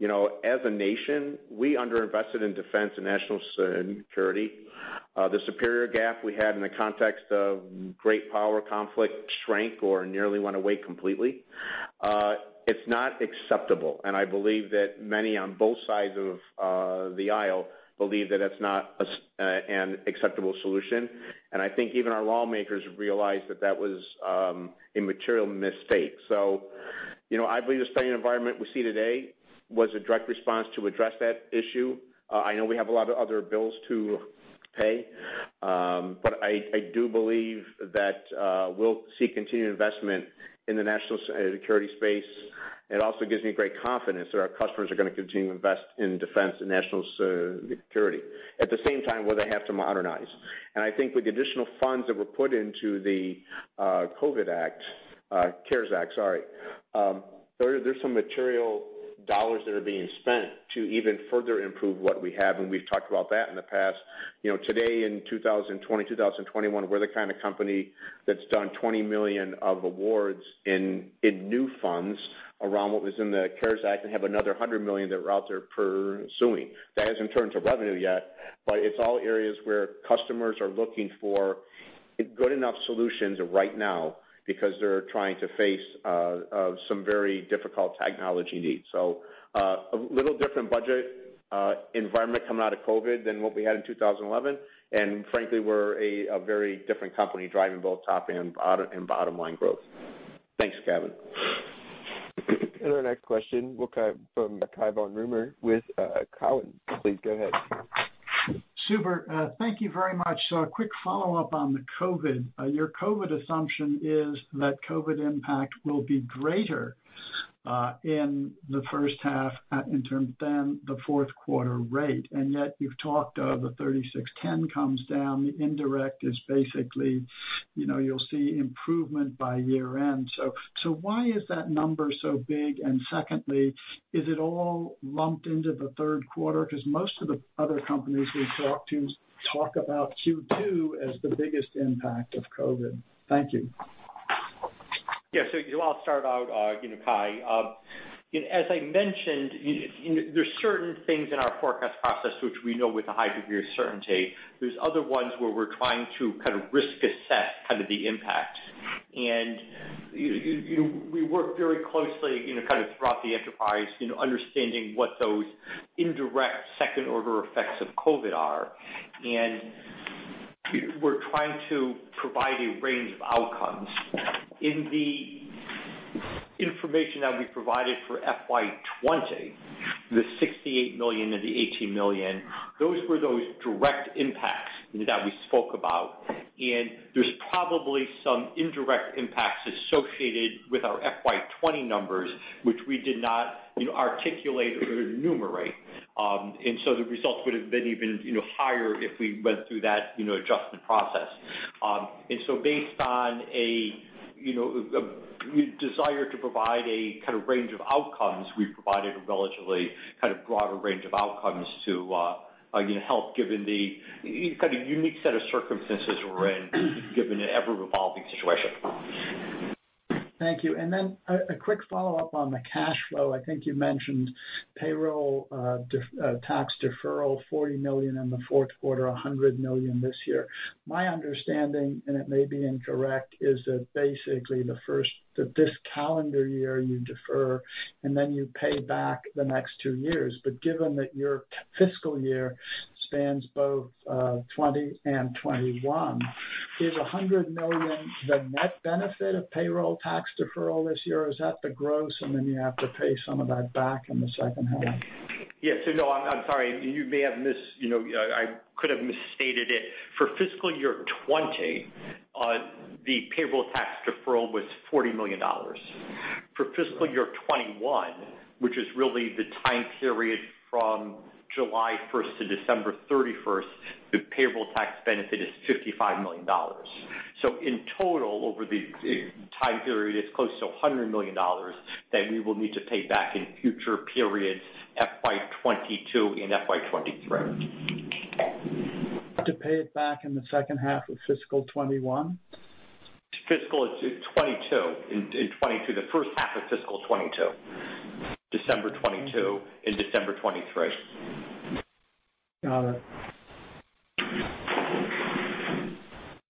as a nation, we underinvested in defense and national security. The superior gap we had in the context of great power conflict shrank or nearly went away completely. It's not acceptable, and I believe that many on both sides of the aisle believe that that's not an acceptable solution, and I think even our lawmakers realized that that was a material mistake, so I believe the security environment we see today was a direct response to address that issue. I know we have a lot of other bills to pay, but I do believe that we'll see continued investment in the national security space. It also gives me great confidence that our customers are going to continue to invest in defense and national security at the same time where they have to modernize. And I think with the additional funds that were put into the COVID Act, CARES Act, sorry, there's some material dollars that are being spent to even further improve what we have. And we've talked about that in the past. Today, in 2020, 2021, we're the kind of company that's done $20 million of awards in new funds around what was in the CARES Act and have another $100 million that we're out there pursuing. That hasn't turned to revenue yet. But it's all areas where customers are looking for good enough solutions right now because they're trying to face some very difficult technology needs. So a little different budget environment coming out of COVID than what we had in 2011. Frankly, we're a very different company driving both top and bottom line growth. Thanks, Gavin. Our next question will come from Cai von Rumohr with Cowen. Please go ahead. Super. Thank you very much. So a quick follow-up on the COVID. Your COVID assumption is that COVID impact will be greater in the first half in terms than the fourth quarter rate. And yet, you've talked of the 3610 comes down. The indirect is basically you'll see improvement by year-end. So why is that number so big? And secondly, is it all lumped into the third quarter? Because most of the other companies we've talked to talk about Q2 as the biggest impact of COVID. Thank you. Yeah. So I'll start out, Cai. As I mentioned, there are certain things in our forecast process which we know with a high degree of certainty. There's other ones where we're trying to kind of risk assess kind of the impact. And we work very closely kind of throughout the enterprise, understanding what those indirect second-order effects of COVID are. And we're trying to provide a range of outcomes. In the information that we provided for FY 2020, the $68 million and the $18 million, those were those direct impacts that we spoke about. And there's probably some indirect impacts associated with our FY 2020 numbers, which we did not articulate or enumerate. And so the results would have been even higher if we went through that adjustment process. Based on a desire to provide a kind of range of outcomes, we've provided a relatively kind of broader range of outcomes to help given the kind of unique set of circumstances we're in, given an ever-evolving situation. Thank you. And then a quick follow-up on the cash flow. I think you mentioned payroll tax deferral, $40 million in the fourth quarter, $100 million this year. My understanding, and it may be incorrect, is that basically the first of this calendar year you defer, and then you pay back the next two years. But given that your fiscal year spans both 2020 and 2021, is $100 million the net benefit of payroll tax deferral this year? Is that the gross, and then you have to pay some of that back in the second half? Yeah. So no, I'm sorry. You may have missed. I could have misstated it. For fiscal year 2020, the payroll tax deferral was $40 million. For fiscal year 2021, which is really the time period from July 1st to December 31st, the payroll tax benefit is $55 million. So in total, over the time period, it's close to $100 million that we will need to pay back in future periods, FY 2022 and FY 2023. To pay it back in the second half of fiscal 2021? Fiscal 2022. In 2022, the first half of fiscal 2022, December 2022 and December 2023. Got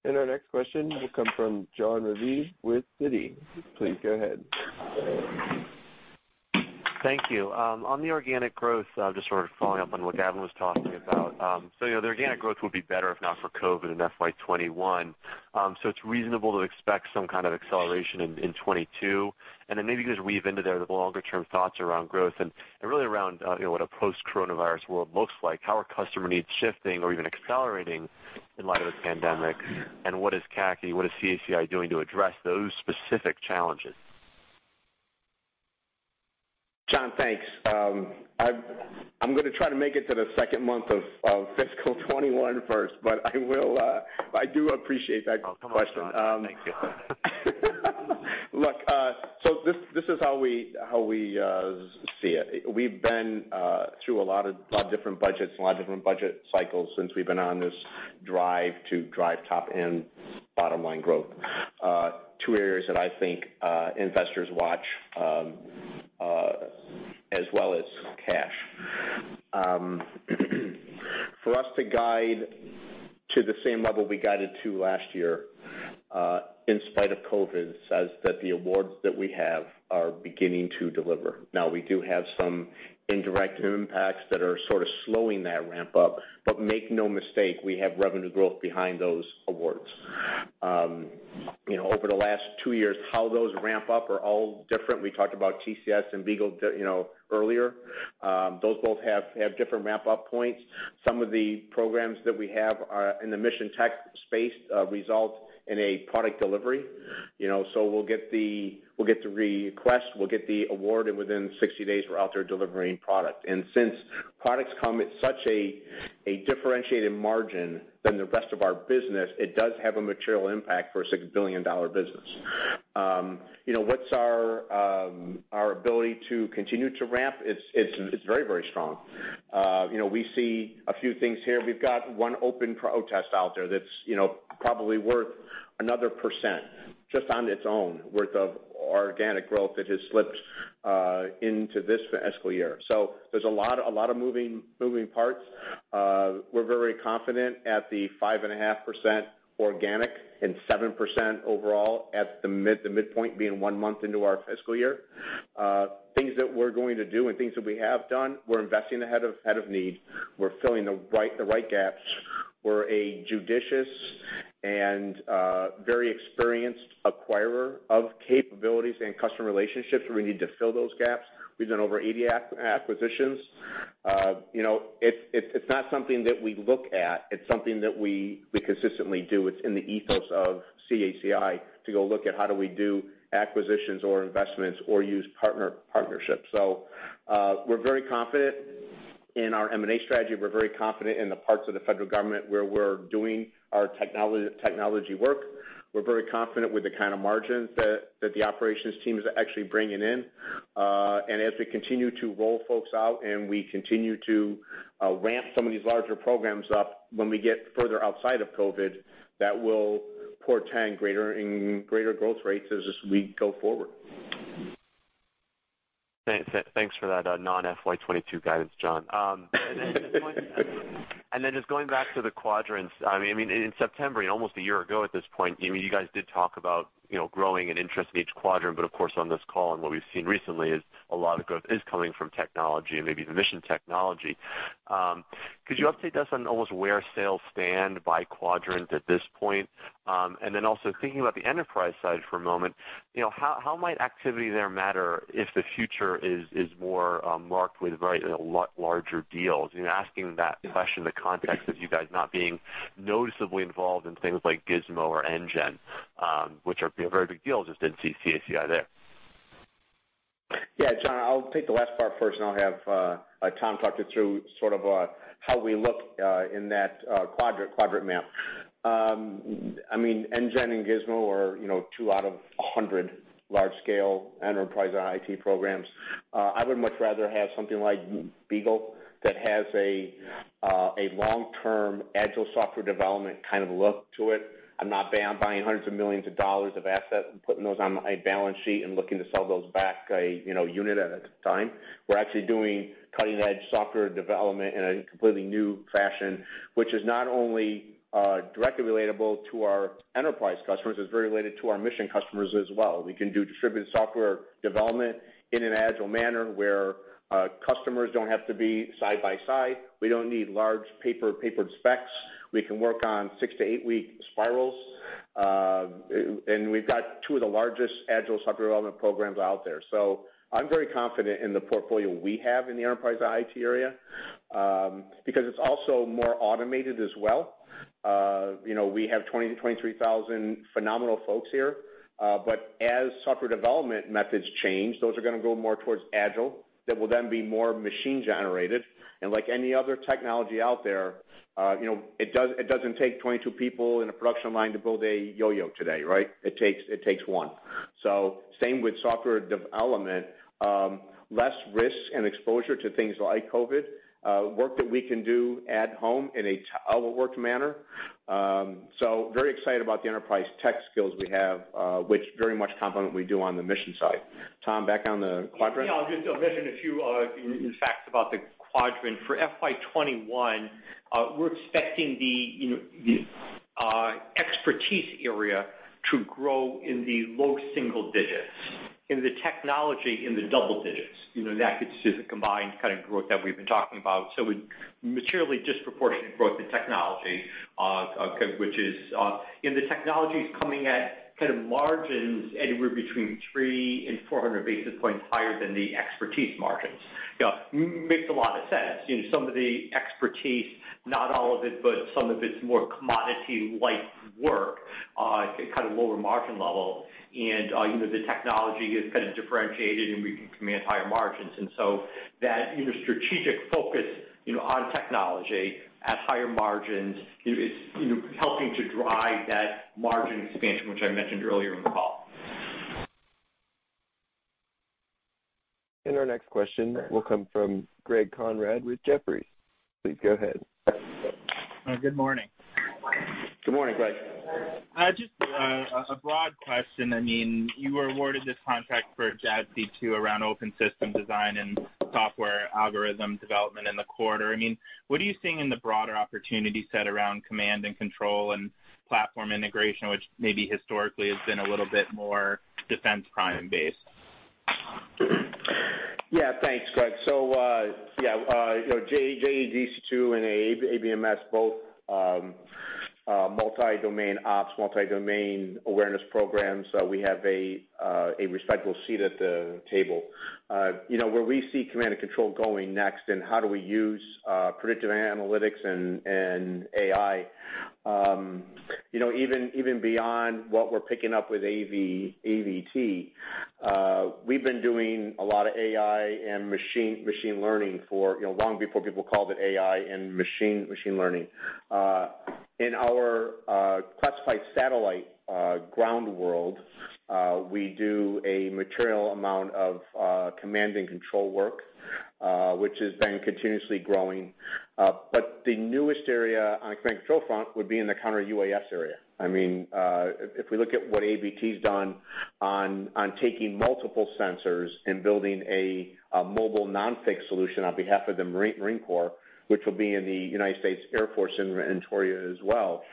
it. Our next question will come from Jon Raviv with Citi. Please go ahead. Thank you. On the organic growth, I'm just sort of following up on what Gavin was talking about. So the organic growth would be better if not for COVID and FY 2021. So it's reasonable to expect some kind of acceleration in 2022. And then maybe just weave into there the longer-term thoughts around growth and really around what a post-coronavirus world looks like. How are customer needs shifting or even accelerating in light of the pandemic? And what is CACI doing to address those specific challenges? John, thanks. I'm going to try to make it to the second month of fiscal 2021 first, but I will. I do appreciate that question. Oh, come on. Thank you. Look, so this is how we see it. We've been through a lot of different budgets and a lot of different budget cycles since we've been on this drive to drive top-end bottom line growth. Two areas that I think investors watch as well as cash. For us to guide to the same level we guided to last year in spite of COVID says that the awards that we have are beginning to deliver. Now, we do have some indirect impacts that are sort of slowing that ramp up. But make no mistake, we have revenue growth behind those awards. Over the last two years, how those ramp up are all different. We talked about TCS and BEAGLE earlier. Those both have different ramp-up points. Some of the programs that we have in the mission tech space result in a product delivery. So we'll get the request. We'll get the award, and within 60 days, we're out there delivering product. And since products come at such a differentiated margin than the rest of our business, it does have a material impact for a $6 billion business. What's our ability to continue to ramp? It's very, very strong. We see a few things here. We've got one open protest out there that's probably worth another percent just on its own worth of organic growth that has slipped into this fiscal year. So there's a lot of moving parts. We're very confident at the 5.5% organic and 7% overall at the midpoint being one month into our fiscal year. Things that we're going to do and things that we have done, we're investing ahead of need. We're filling the right gaps. We're a judicious and very experienced acquirer of capabilities and customer relationships. We need to fill those gaps. We've done over 80 acquisitions. It's not something that we look at. It's something that we consistently do. It's in the ethos of CACI to go look at how do we do acquisitions or investments or use partnerships. So we're very confident in our M&A strategy. We're very confident in the parts of the federal government where we're doing our technology work. We're very confident with the kind of margins that the operations team is actually bringing in. And as we continue to roll folks out and we continue to ramp some of these larger programs up when we get further outside of COVID, that will portend greater growth rates as we go forward. Thanks for that non-FY '22 guidance, John. And then just going back to the quadrants, I mean, in September, almost a year ago at this point, you guys did talk about growing and interest in each quadrant. But of course, on this call and what we've seen recently is a lot of growth is coming from technology and maybe the mission technology. Could you update us on almost where sales stand by quadrant at this point? And then also thinking about the enterprise side for a moment, how might activity there matter if the future is more marked with larger deals? Asking that question in the context of you guys not being noticeably involved in things like GSM-O or NGEN, which are very big deals just in CACI there. Yeah. John, I'll take the last part first, and I'll have Tom talk you through sort of how we look in that quadrant map. I mean, NGEN and GSM-O are two out of 100 large-scale enterprise IT programs. I would much rather have something like BEAGLE that has a long-term agile software development kind of look to it. I'm not buying hundreds of millions of dollars of assets and putting those on my balance sheet and looking to sell those back a unit at a time. We're actually doing cutting-edge software development in a completely new fashion, which is not only directly relatable to our enterprise customers. It's very related to our mission customers as well. We can do distributed software development in an agile manner where customers don't have to be side by side. We don't need large paper-and-pencil specs. We can work on 6-8 week spirals. And we've got two of the largest agile software development programs out there. So I'm very confident in the portfolio we have in the enterprise IT area because it's also more automated as well. We have 23,000 phenomenal folks here. But as software development methods change, those are going to go more towards agile that will then be more machine-generated. And like any other technology out there, it doesn't take 22 people in a production line to build a yo-yo today, right? It takes one. So same with software development, less risk and exposure to things like COVID, work that we can do at home in a well-worked manner. So very excited about the enterprise tech skills we have, which very much complement what we do on the mission side. Tom, back on the quadrant? Yeah. I'll just mention a few facts about the quadrant. For FY 2021, we're expecting the expertise area to grow in the low single digits, in the technology in the double digits. That gets to the combined kind of growth that we've been talking about. So materially disproportionate growth in technology, which is in the technologies coming at kind of margins anywhere between three and 400 basis points higher than the expertise margins. Makes a lot of sense. Some of the expertise, not all of it, but some of its more commodity-like work, kind of lower margin level. And the technology is kind of differentiated, and we can command higher margins. And so that strategic focus on technology at higher margins is helping to drive that margin expansion, which I mentioned earlier in the call. Our next question will come from Greg Konrad with Jefferies. Please go ahead. Good morning. Good morning, Greg. Just a broad question. I mean, you were awarded this contract for JADC2 around open system design and software algorithm development in the quarter. I mean, what are you seeing in the broader opportunity set around command and control and platform integration, which maybe historically has been a little bit more defense prime-based? Yeah. Thanks, Greg. So yeah, JADC2 and ABMS, both multi-domain ops, multi-domain awareness programs. We have a respectable seat at the table. Where we see command and control going next and how do we use predictive analytics and AI, even beyond what we're picking up with AVT, we've been doing a lot of AI and machine learning for long before people called it AI and machine learning. In our classified satellite ground world, we do a material amount of command and control work, which has been continuously growing. But the newest area on the command and control front would be in the counter-UAS area. I mean, if we look at what AVT's done on taking multiple sensors and building a mobile non-fixed solution on behalf of the Marine Corps, which will be in the United States Air Force inventory as well,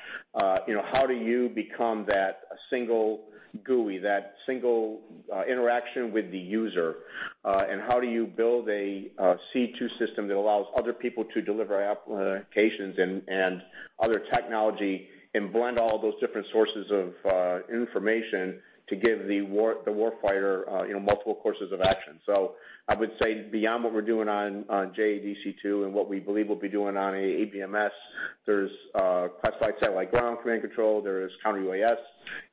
how do you become that single GUI, that single interaction with the user? And how do you build a C2 system that allows other people to deliver applications and other technology and blend all those different sources of information to give the warfighter multiple courses of action? So I would say beyond what we're doing on JADC2 and what we believe we'll be doing on ABMS, there's classified satellite ground command control, there is counter-UAS,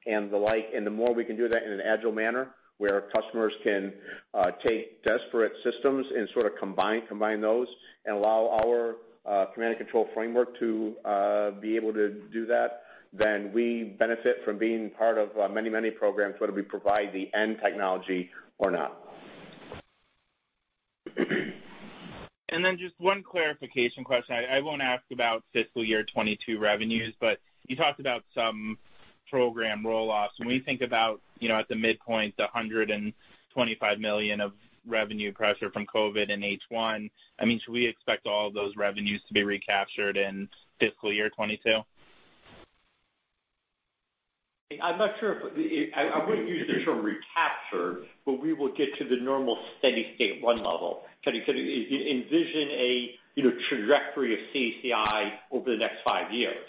and the like. The more we can do that in an agile manner, where customers can take disparate systems and sort of combine those and allow our command and control framework to be able to do that, then we benefit from being part of many, many programs, whether we provide the end technology or not. Just one clarification question. I won't ask about fiscal year 2022 revenues, but you talked about some program rolloffs. When we think about, at the midpoint, the $125 million of revenue pressure from COVID and H1, I mean, should we expect all of those revenues to be recaptured in fiscal year 2022? I'm not sure if I wouldn't use the term recapture, but we will get to the normal steady state one level. Envision a trajectory of CACI over the next five years.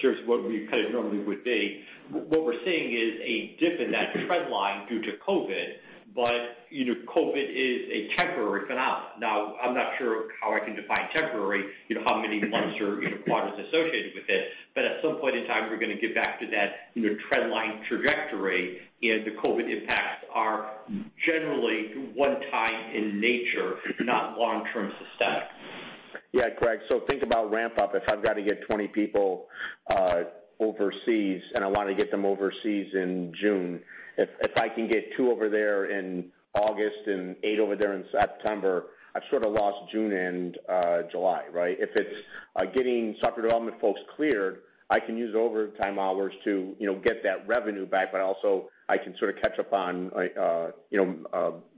Here's what we kind of normally would be. What we're seeing is a dip in that trend line due to COVID, but COVID is a temporary phenomenon. Now, I'm not sure how I can define temporary, how many months or quarters associated with it. But at some point in time, we're going to get back to that trend line trajectory, and the COVID impacts are generally one-time in nature, not long-term systemic. Yeah, Greg. So think about ramp-up. If I've got to get 20 people overseas and I want to get them overseas in June, if I can get two over there in August and eight over there in September, I've sort of lost June and July, right? If it's getting software development folks cleared, I can use overtime hours to get that revenue back, but also I can sort of catch up on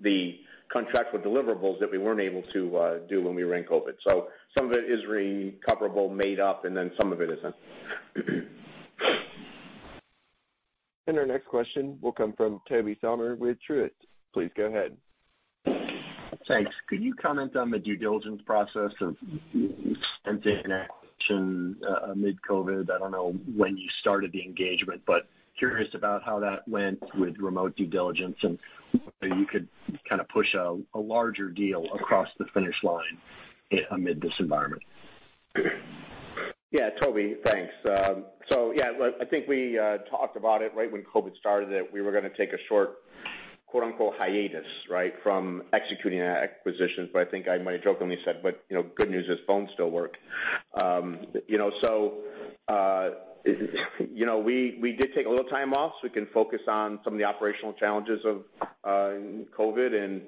the contractual deliverables that we weren't able to do when we were in COVID. So some of it is recoverable, made up, and then some of it isn't. And our next question will come from Tobey Sommer with Truist Securities. Please go ahead. Thanks. Could you comment on the due diligence process and the interaction mid-COVID? I don't know when you started the engagement, but curious about how that went with remote due diligence and whether you could kind of push a larger deal across the finish line amid this environment. Yeah. Toby, thanks. So yeah, I think we talked about it right when COVID started that we were going to take a short "hiatus," right, from executing acquisitions. But I think I might have jokingly said, "But good news is phones still work." So we did take a little time off so we can focus on some of the operational challenges of COVID and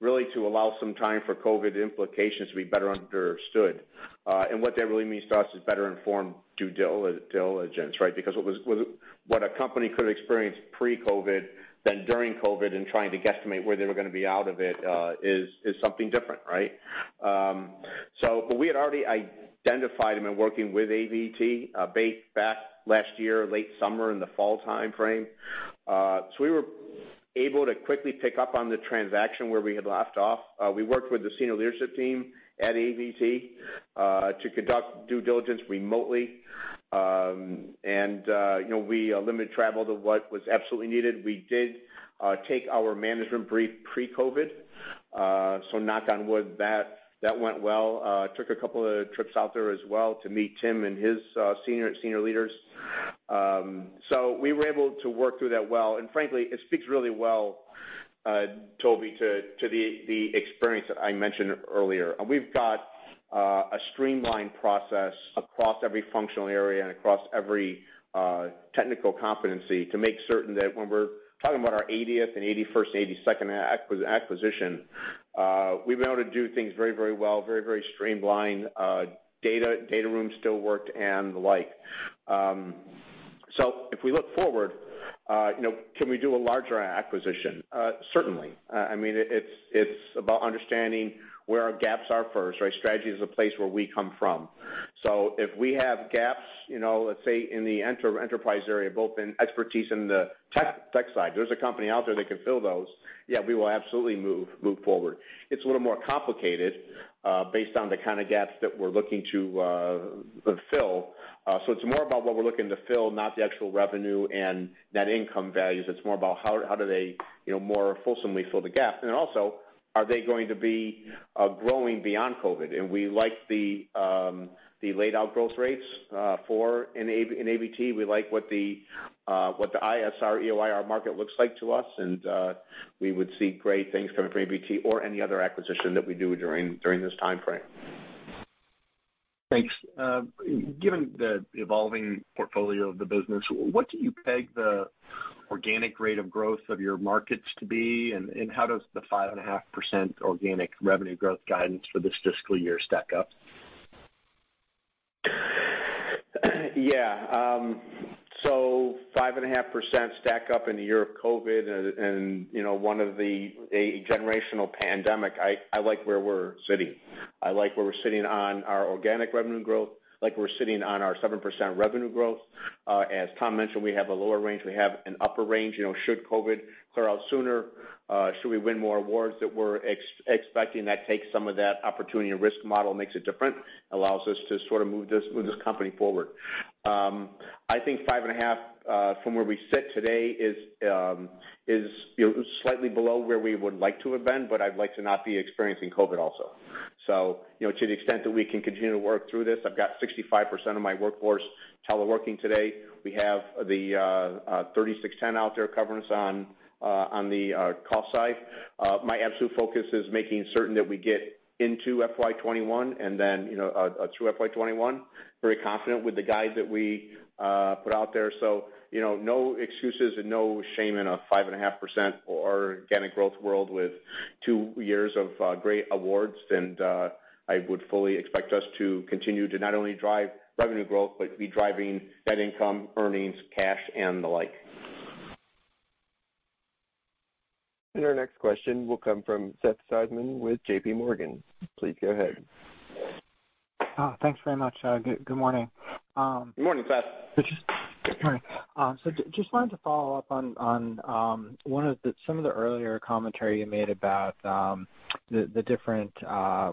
really to allow some time for COVID implications to be better understood. And what that really means to us is better-informed due diligence, right? Because what a company could have experienced pre-COVID, then during COVID and trying to guesstimate where they were going to be out of it is something different, right? But we had already identified and been working with AVT back last year, late summer in the fall time frame. We were able to quickly pick up on the transaction where we had left off. We worked with the senior leadership team at AVT to conduct due diligence remotely. We limited travel to what was absolutely needed. We did take our management brief pre-COVID. Knock on wood, that went well. We took a couple of trips out there as well to meet Tim and his senior leaders. We were able to work through that well. Frankly, it speaks really well, Toby, to the experience that I mentioned earlier. We have got a streamlined process across every functional area and across every technical competency to make certain that when we are talking about our 80th and 81st and 82nd acquisition, we have been able to do things very, very well, very, very streamlined. Data rooms still worked and the like. So if we look forward, can we do a larger acquisition? Certainly. I mean, it's about understanding where our gaps are first, right? Strategy is a place where we come from. So if we have gaps, let's say in the enterprise area, both in expertise and the tech side, there's a company out there that can fill those. Yeah, we will absolutely move forward. It's a little more complicated based on the kind of gaps that we're looking to fill. So it's more about what we're looking to fill, not the actual revenue and net income values. It's more about how do they more fulsomely fill the gap. And then also, are they going to be growing beyond COVID? And we like the laid-out growth rates for AVT. We like what the ISR, EO/IR market looks like to us. We would see great things coming from AVT or any other acquisition that we do during this time frame. Thanks. Given the evolving portfolio of the business, what do you peg the organic rate of growth of your markets to be? And how does the 5.5% organic revenue growth guidance for this fiscal year stack up? Yeah. So 5.5% stacks up in the year of COVID and one of the generational pandemic. I like where we're sitting. I like where we're sitting on our organic revenue growth. I like where we're sitting on our 7% revenue growth. As Tom mentioned, we have a lower range. We have an upper range. Should COVID clear out sooner, should we win more awards that we're expecting that take some of that opportunity and risk model, makes it different, allows us to sort of move this company forward. I think 5.5% from where we sit today is slightly below where we would like to have been, but I'd like to not be experiencing COVID also. So to the extent that we can continue to work through this, I've got 65% of my workforce teleworking today. We have the 3610 out there covering us on the call side. My absolute focus is making certain that we get into FY 2021 and then through FY 2021. Very confident with the guide that we put out there. So no excuses and no shame in a 5.5% organic growth world with two years of great awards. And I would fully expect us to continue to not only drive revenue growth, but be driving net income, earnings, cash, and the like. And our next question will come from Seth Seifman with JPMorgan. Please go ahead. Thanks very much. Good morning. Good morning, Seth. Good morning, so just wanted to follow up on some of the earlier commentary you made about the different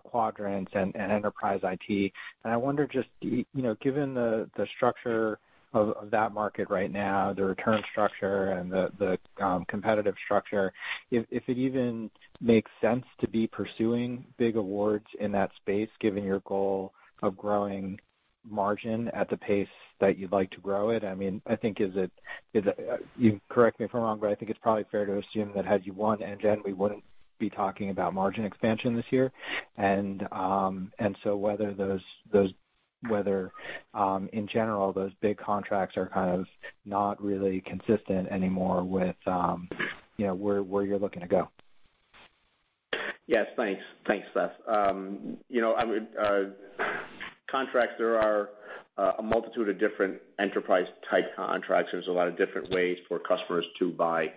quadrants and enterprise IT, and I wonder just given the structure of that market right now, the return structure and the competitive structure, if it even makes sense to be pursuing big awards in that space, given your goal of growing margin at the pace that you'd like to grow it. I mean, I think. Is it? You correct me if I'm wrong, but I think it's probably fair to assume that had you won NGEN, we wouldn't be talking about margin expansion this year, and so whether in general, those big contracts are kind of not really consistent anymore with where you're looking to go. Yes. Thanks. Thanks, Seth. Contracts, there are a multitude of different enterprise-type contracts. There's a lot of different ways for customers to buy.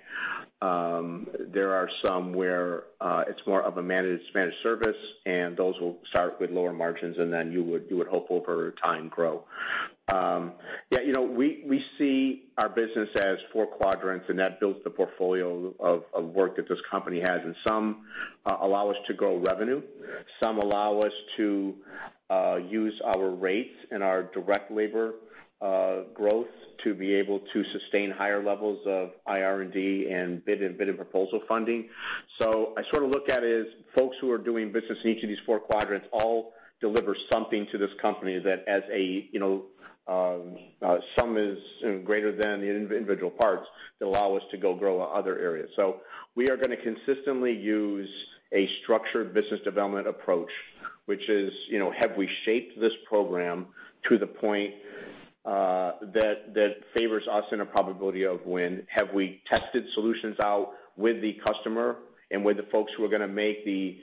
There are some where it's more of a managed service, and those will start with lower margins, and then you would hope over time grow. Yeah. We see our business as four quadrants, and that builds the portfolio of work that this company has, and some allow us to grow revenue. Some allow us to use our rates and our direct labor growth to be able to sustain higher levels of IR&D and bid and proposal funding, so I sort of look at it as folks who are doing business in each of these four quadrants all deliver something to this company that as a sum is greater than the individual parts that allow us to go grow other areas. So we are going to consistently use a structured business development approach, which is, have we shaped this program to the point that favors us in a probability of win? Have we tested solutions out with the customer and with the folks who are going to make the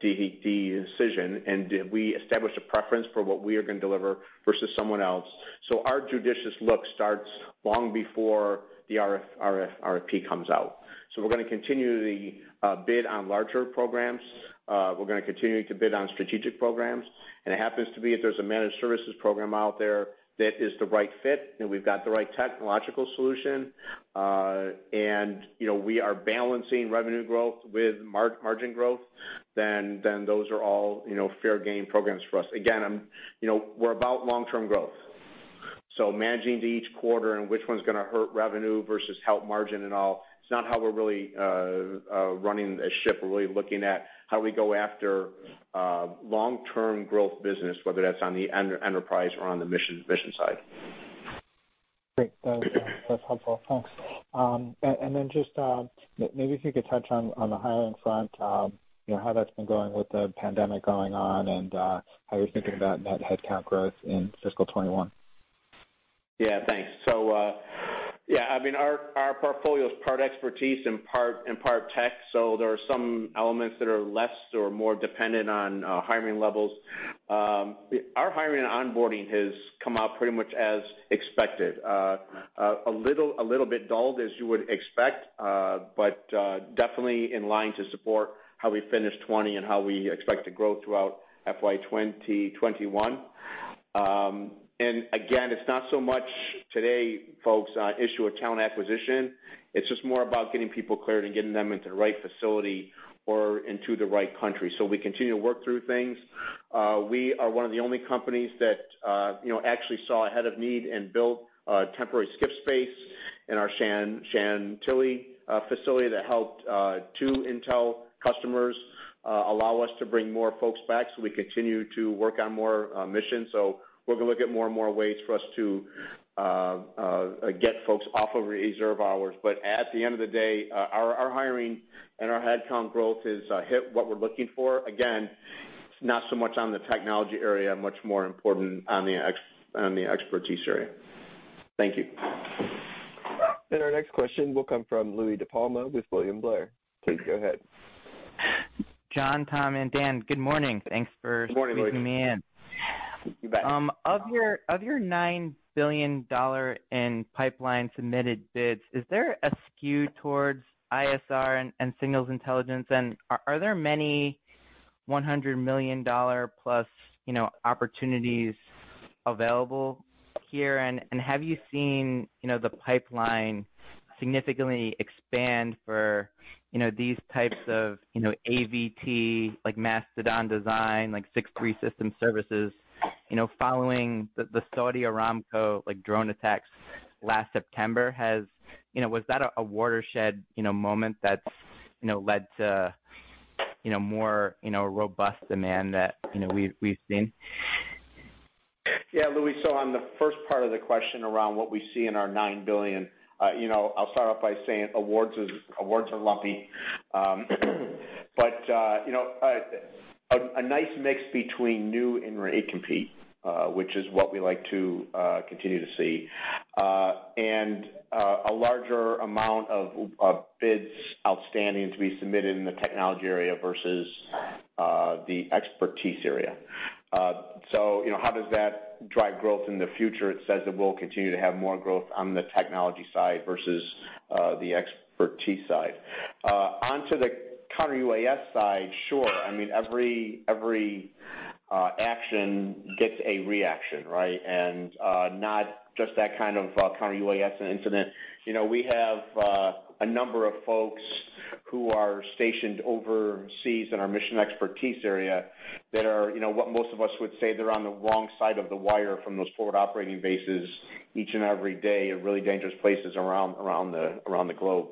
decision? And did we establish a preference for what we are going to deliver versus someone else? So our judicious look starts long before the RFP comes out. So we're going to continue to bid on larger programs. We're going to continue to bid on strategic programs. And it happens to be if there's a managed services program out there that is the right fit and we've got the right technological solution and we are balancing revenue growth with margin growth, then those are all fair game programs for us. Again, we're about long-term growth. So, managing to each quarter and which one's going to hurt revenue versus help margin and all. It's not how we're really running the ship. We're really looking at how do we go after long-term growth business, whether that's on the enterprise or on the mission side. Great. That's helpful. Thanks. And then just maybe if you could touch on the hiring front, how that's been going with the pandemic going on and how you're thinking about net headcount growth in fiscal 2021? Yeah. Thanks. So yeah, I mean, our portfolio is part expertise and part tech. So there are some elements that are less or more dependent on hiring levels. Our hiring and onboarding has come out pretty much as expected. A little bit dulled as you would expect, but definitely in line to support how we finished 2020 and how we expect to grow throughout FY 2021. And again, it's not so much today, folks, the issue of talent acquisition. It's just more about getting people cleared and getting them into the right facility or into the right country. So we continue to work through things. We are one of the only companies that actually saw ahead of need and built a temporary SCIF space in our Chantilly facility that helped two intel customers allow us to bring more folks back so we continue to work on more missions. So we're going to look at more and more ways for us to get folks off of reserve hours. But at the end of the day, our hiring and our headcount growth has hit what we're looking for. Again, it's not so much on the technology area, much more important on the expertise area. Thank you. Our next question will come from Louie DiPalma with William Blair. Please go ahead. John, Tom, and Dan, good morning. Thanks for squeezing me in. Good morning, Louie. You bet. Of your $9 billion in pipeline submitted bids, is there a skew towards ISR and signals intelligence? And are there many $100 million+ opportunities available here? And have you seen the pipeline significantly expand for these types of AVT, like Mastodon Design, like C3ISR system services, following the Saudi Aramco drone attacks last September? Was that a watershed moment that's led to more robust demand that we've seen? Yeah. Louis, so on the first part of the question around what we see in our $9 billion, I'll start off by saying awards are lumpy, but a nice mix between new and ready to compete, which is what we like to continue to see, and a larger amount of bids outstanding to be submitted in the technology area versus the expertise area, so how does that drive growth in the future? It says that we'll continue to have more growth on the technology side versus the expertise area. Onto the counter-UAS side, sure. I mean, every action gets a reaction, right? And not just that kind of counter-UAS incident. We have a number of folks who are stationed overseas in our mission expertise area that are what most of us would say they're on the wrong side of the wire from those forward operating bases each and every day in really dangerous places around the globe.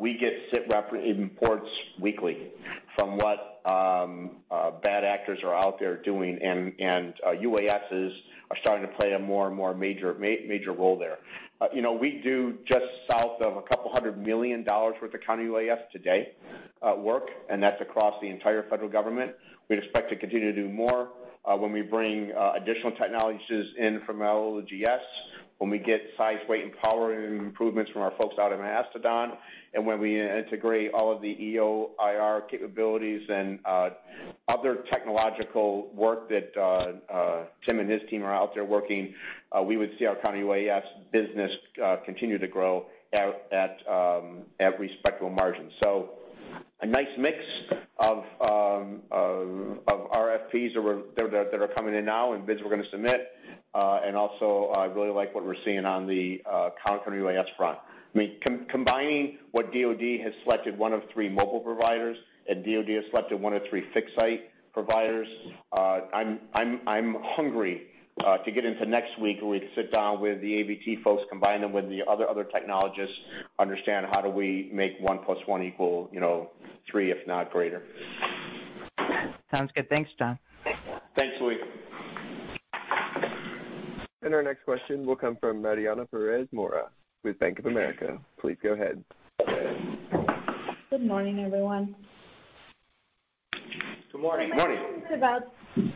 We get SITREP reports weekly from what bad actors are out there doing, and UASs are starting to play a more and more major role there. We do just south of $200 million worth of counter-UAS work today, and that's across the entire federal government. We expect to continue to do more when we bring additional technologies in from LGS, when we get size, weight, and power improvements from our folks out in Mastodon. And when we integrate all of the EO/IR capabilities and other technological work that Tim and his team are out there working, we would see our Counter-UAS business continue to grow at respectable margins. So a nice mix of RFPs that are coming in now and bids we're going to submit. And also, I really like what we're seeing on the Counter-UAS front. I mean, combining what DOD has selected one of three mobile providers, and DOD has selected one of three fixed-site providers. I'm hungry to get into next week where we sit down with the AVT folks, combine them with the other technologists, understand how do we make 1 + 1 = 3, if not greater. Sounds good. Thanks, John. Thanks, Louis. Our next question will come from Mariana Pérez Mora, with Bank of America. Please go ahead. Good morning, everyone. Good morning. Good morning.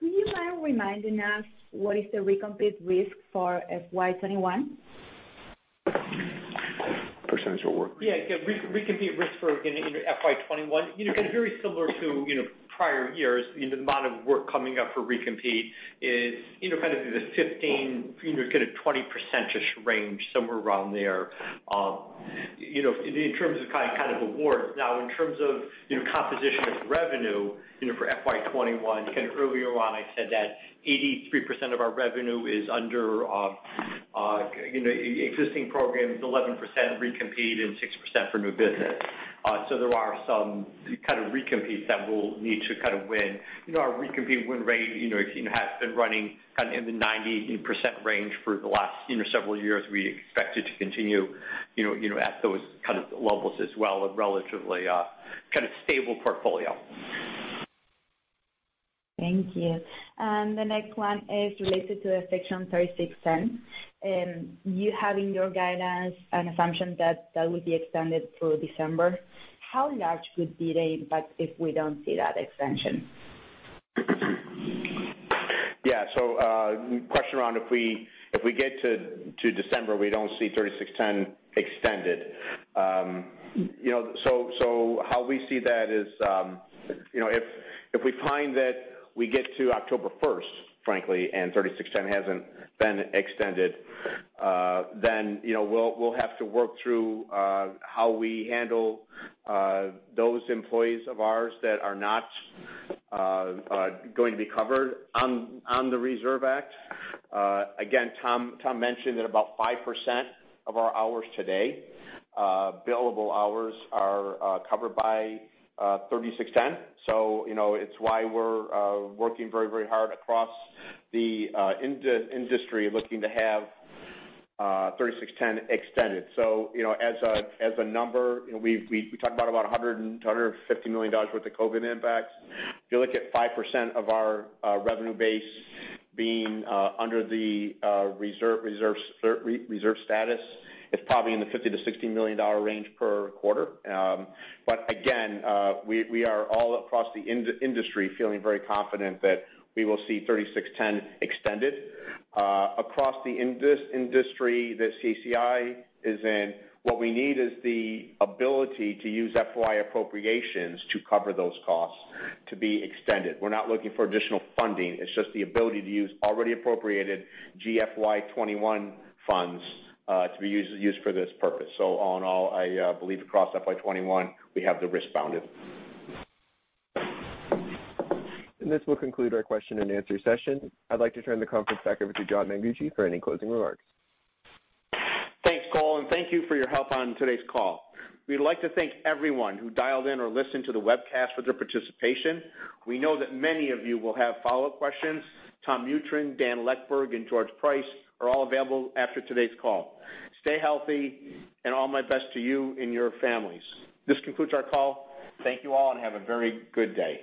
Can you remind us what is the recompete risk for FY 2021? Percentage of work? Yeah. Recompete risk for FY 2021 is very similar to prior years. The amount of work coming up for recompete is kind of in the 15%-20% ish range, somewhere around there in terms of kind of awards. Now, in terms of composition of revenue for FY 2021, kind of earlier on, I said that 83% of our revenue is under existing programs, 11% recompete, and 6% for new business. So there are some kind of recompetes that we'll need to kind of win. Our recompete win rate has been running kind of in the 90% range for the last several years. We expect it to continue at those kind of levels as well, a relatively kind of stable portfolio. Thank you. And the next one is related to a Section 3610. You have in your guidance an assumption that that will be extended through December. How large would be the impact if we don't see that extension? Yeah. So the question around if we get to December, we don't see 3610 extended. So how we see that is if we find that we get to October 1st, frankly, and 3610 hasn't been extended, then we'll have to work through how we handle those employees of ours that are not going to be covered on the CARES Act. Again, Tom mentioned that about 5% of our hours today, billable hours, are covered by 3610. So it's why we're working very, very hard across the industry looking to have 3610 extended. So as a number, we talked about about $100-$150 million worth of COVID impacts. If you look at 5% of our revenue base being under the reserve status, it's probably in the $50-$60 million range per quarter. But again, we are all across the industry feeling very confident that we will see 3610 extended. Across the industry that CACI is in, what we need is the ability to use FY appropriations to cover those costs to be extended. We're not looking for additional funding. It's just the ability to use already appropriated FY 2021 funds to be used for this purpose. So all in all, I believe across FY 2021, we have the risk bounded. This will conclude our question and answer session. I'd like to turn the conference back over to John Mengucci for any closing remarks. Thanks, Cole. And thank you for your help on today's call. We'd like to thank everyone who dialed in or listened to the webcast for their participation. We know that many of you will have follow-up questions. Tom Mutryn, Dan Leckburg, and George Price are all available after today's call. Stay healthy, and all my best to you and your families. This concludes our call. Thank you all, and have a very good day.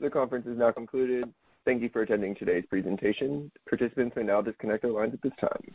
The conference is now concluded. Thank you for attending today's presentation. Participants may now disconnect their lines at this time.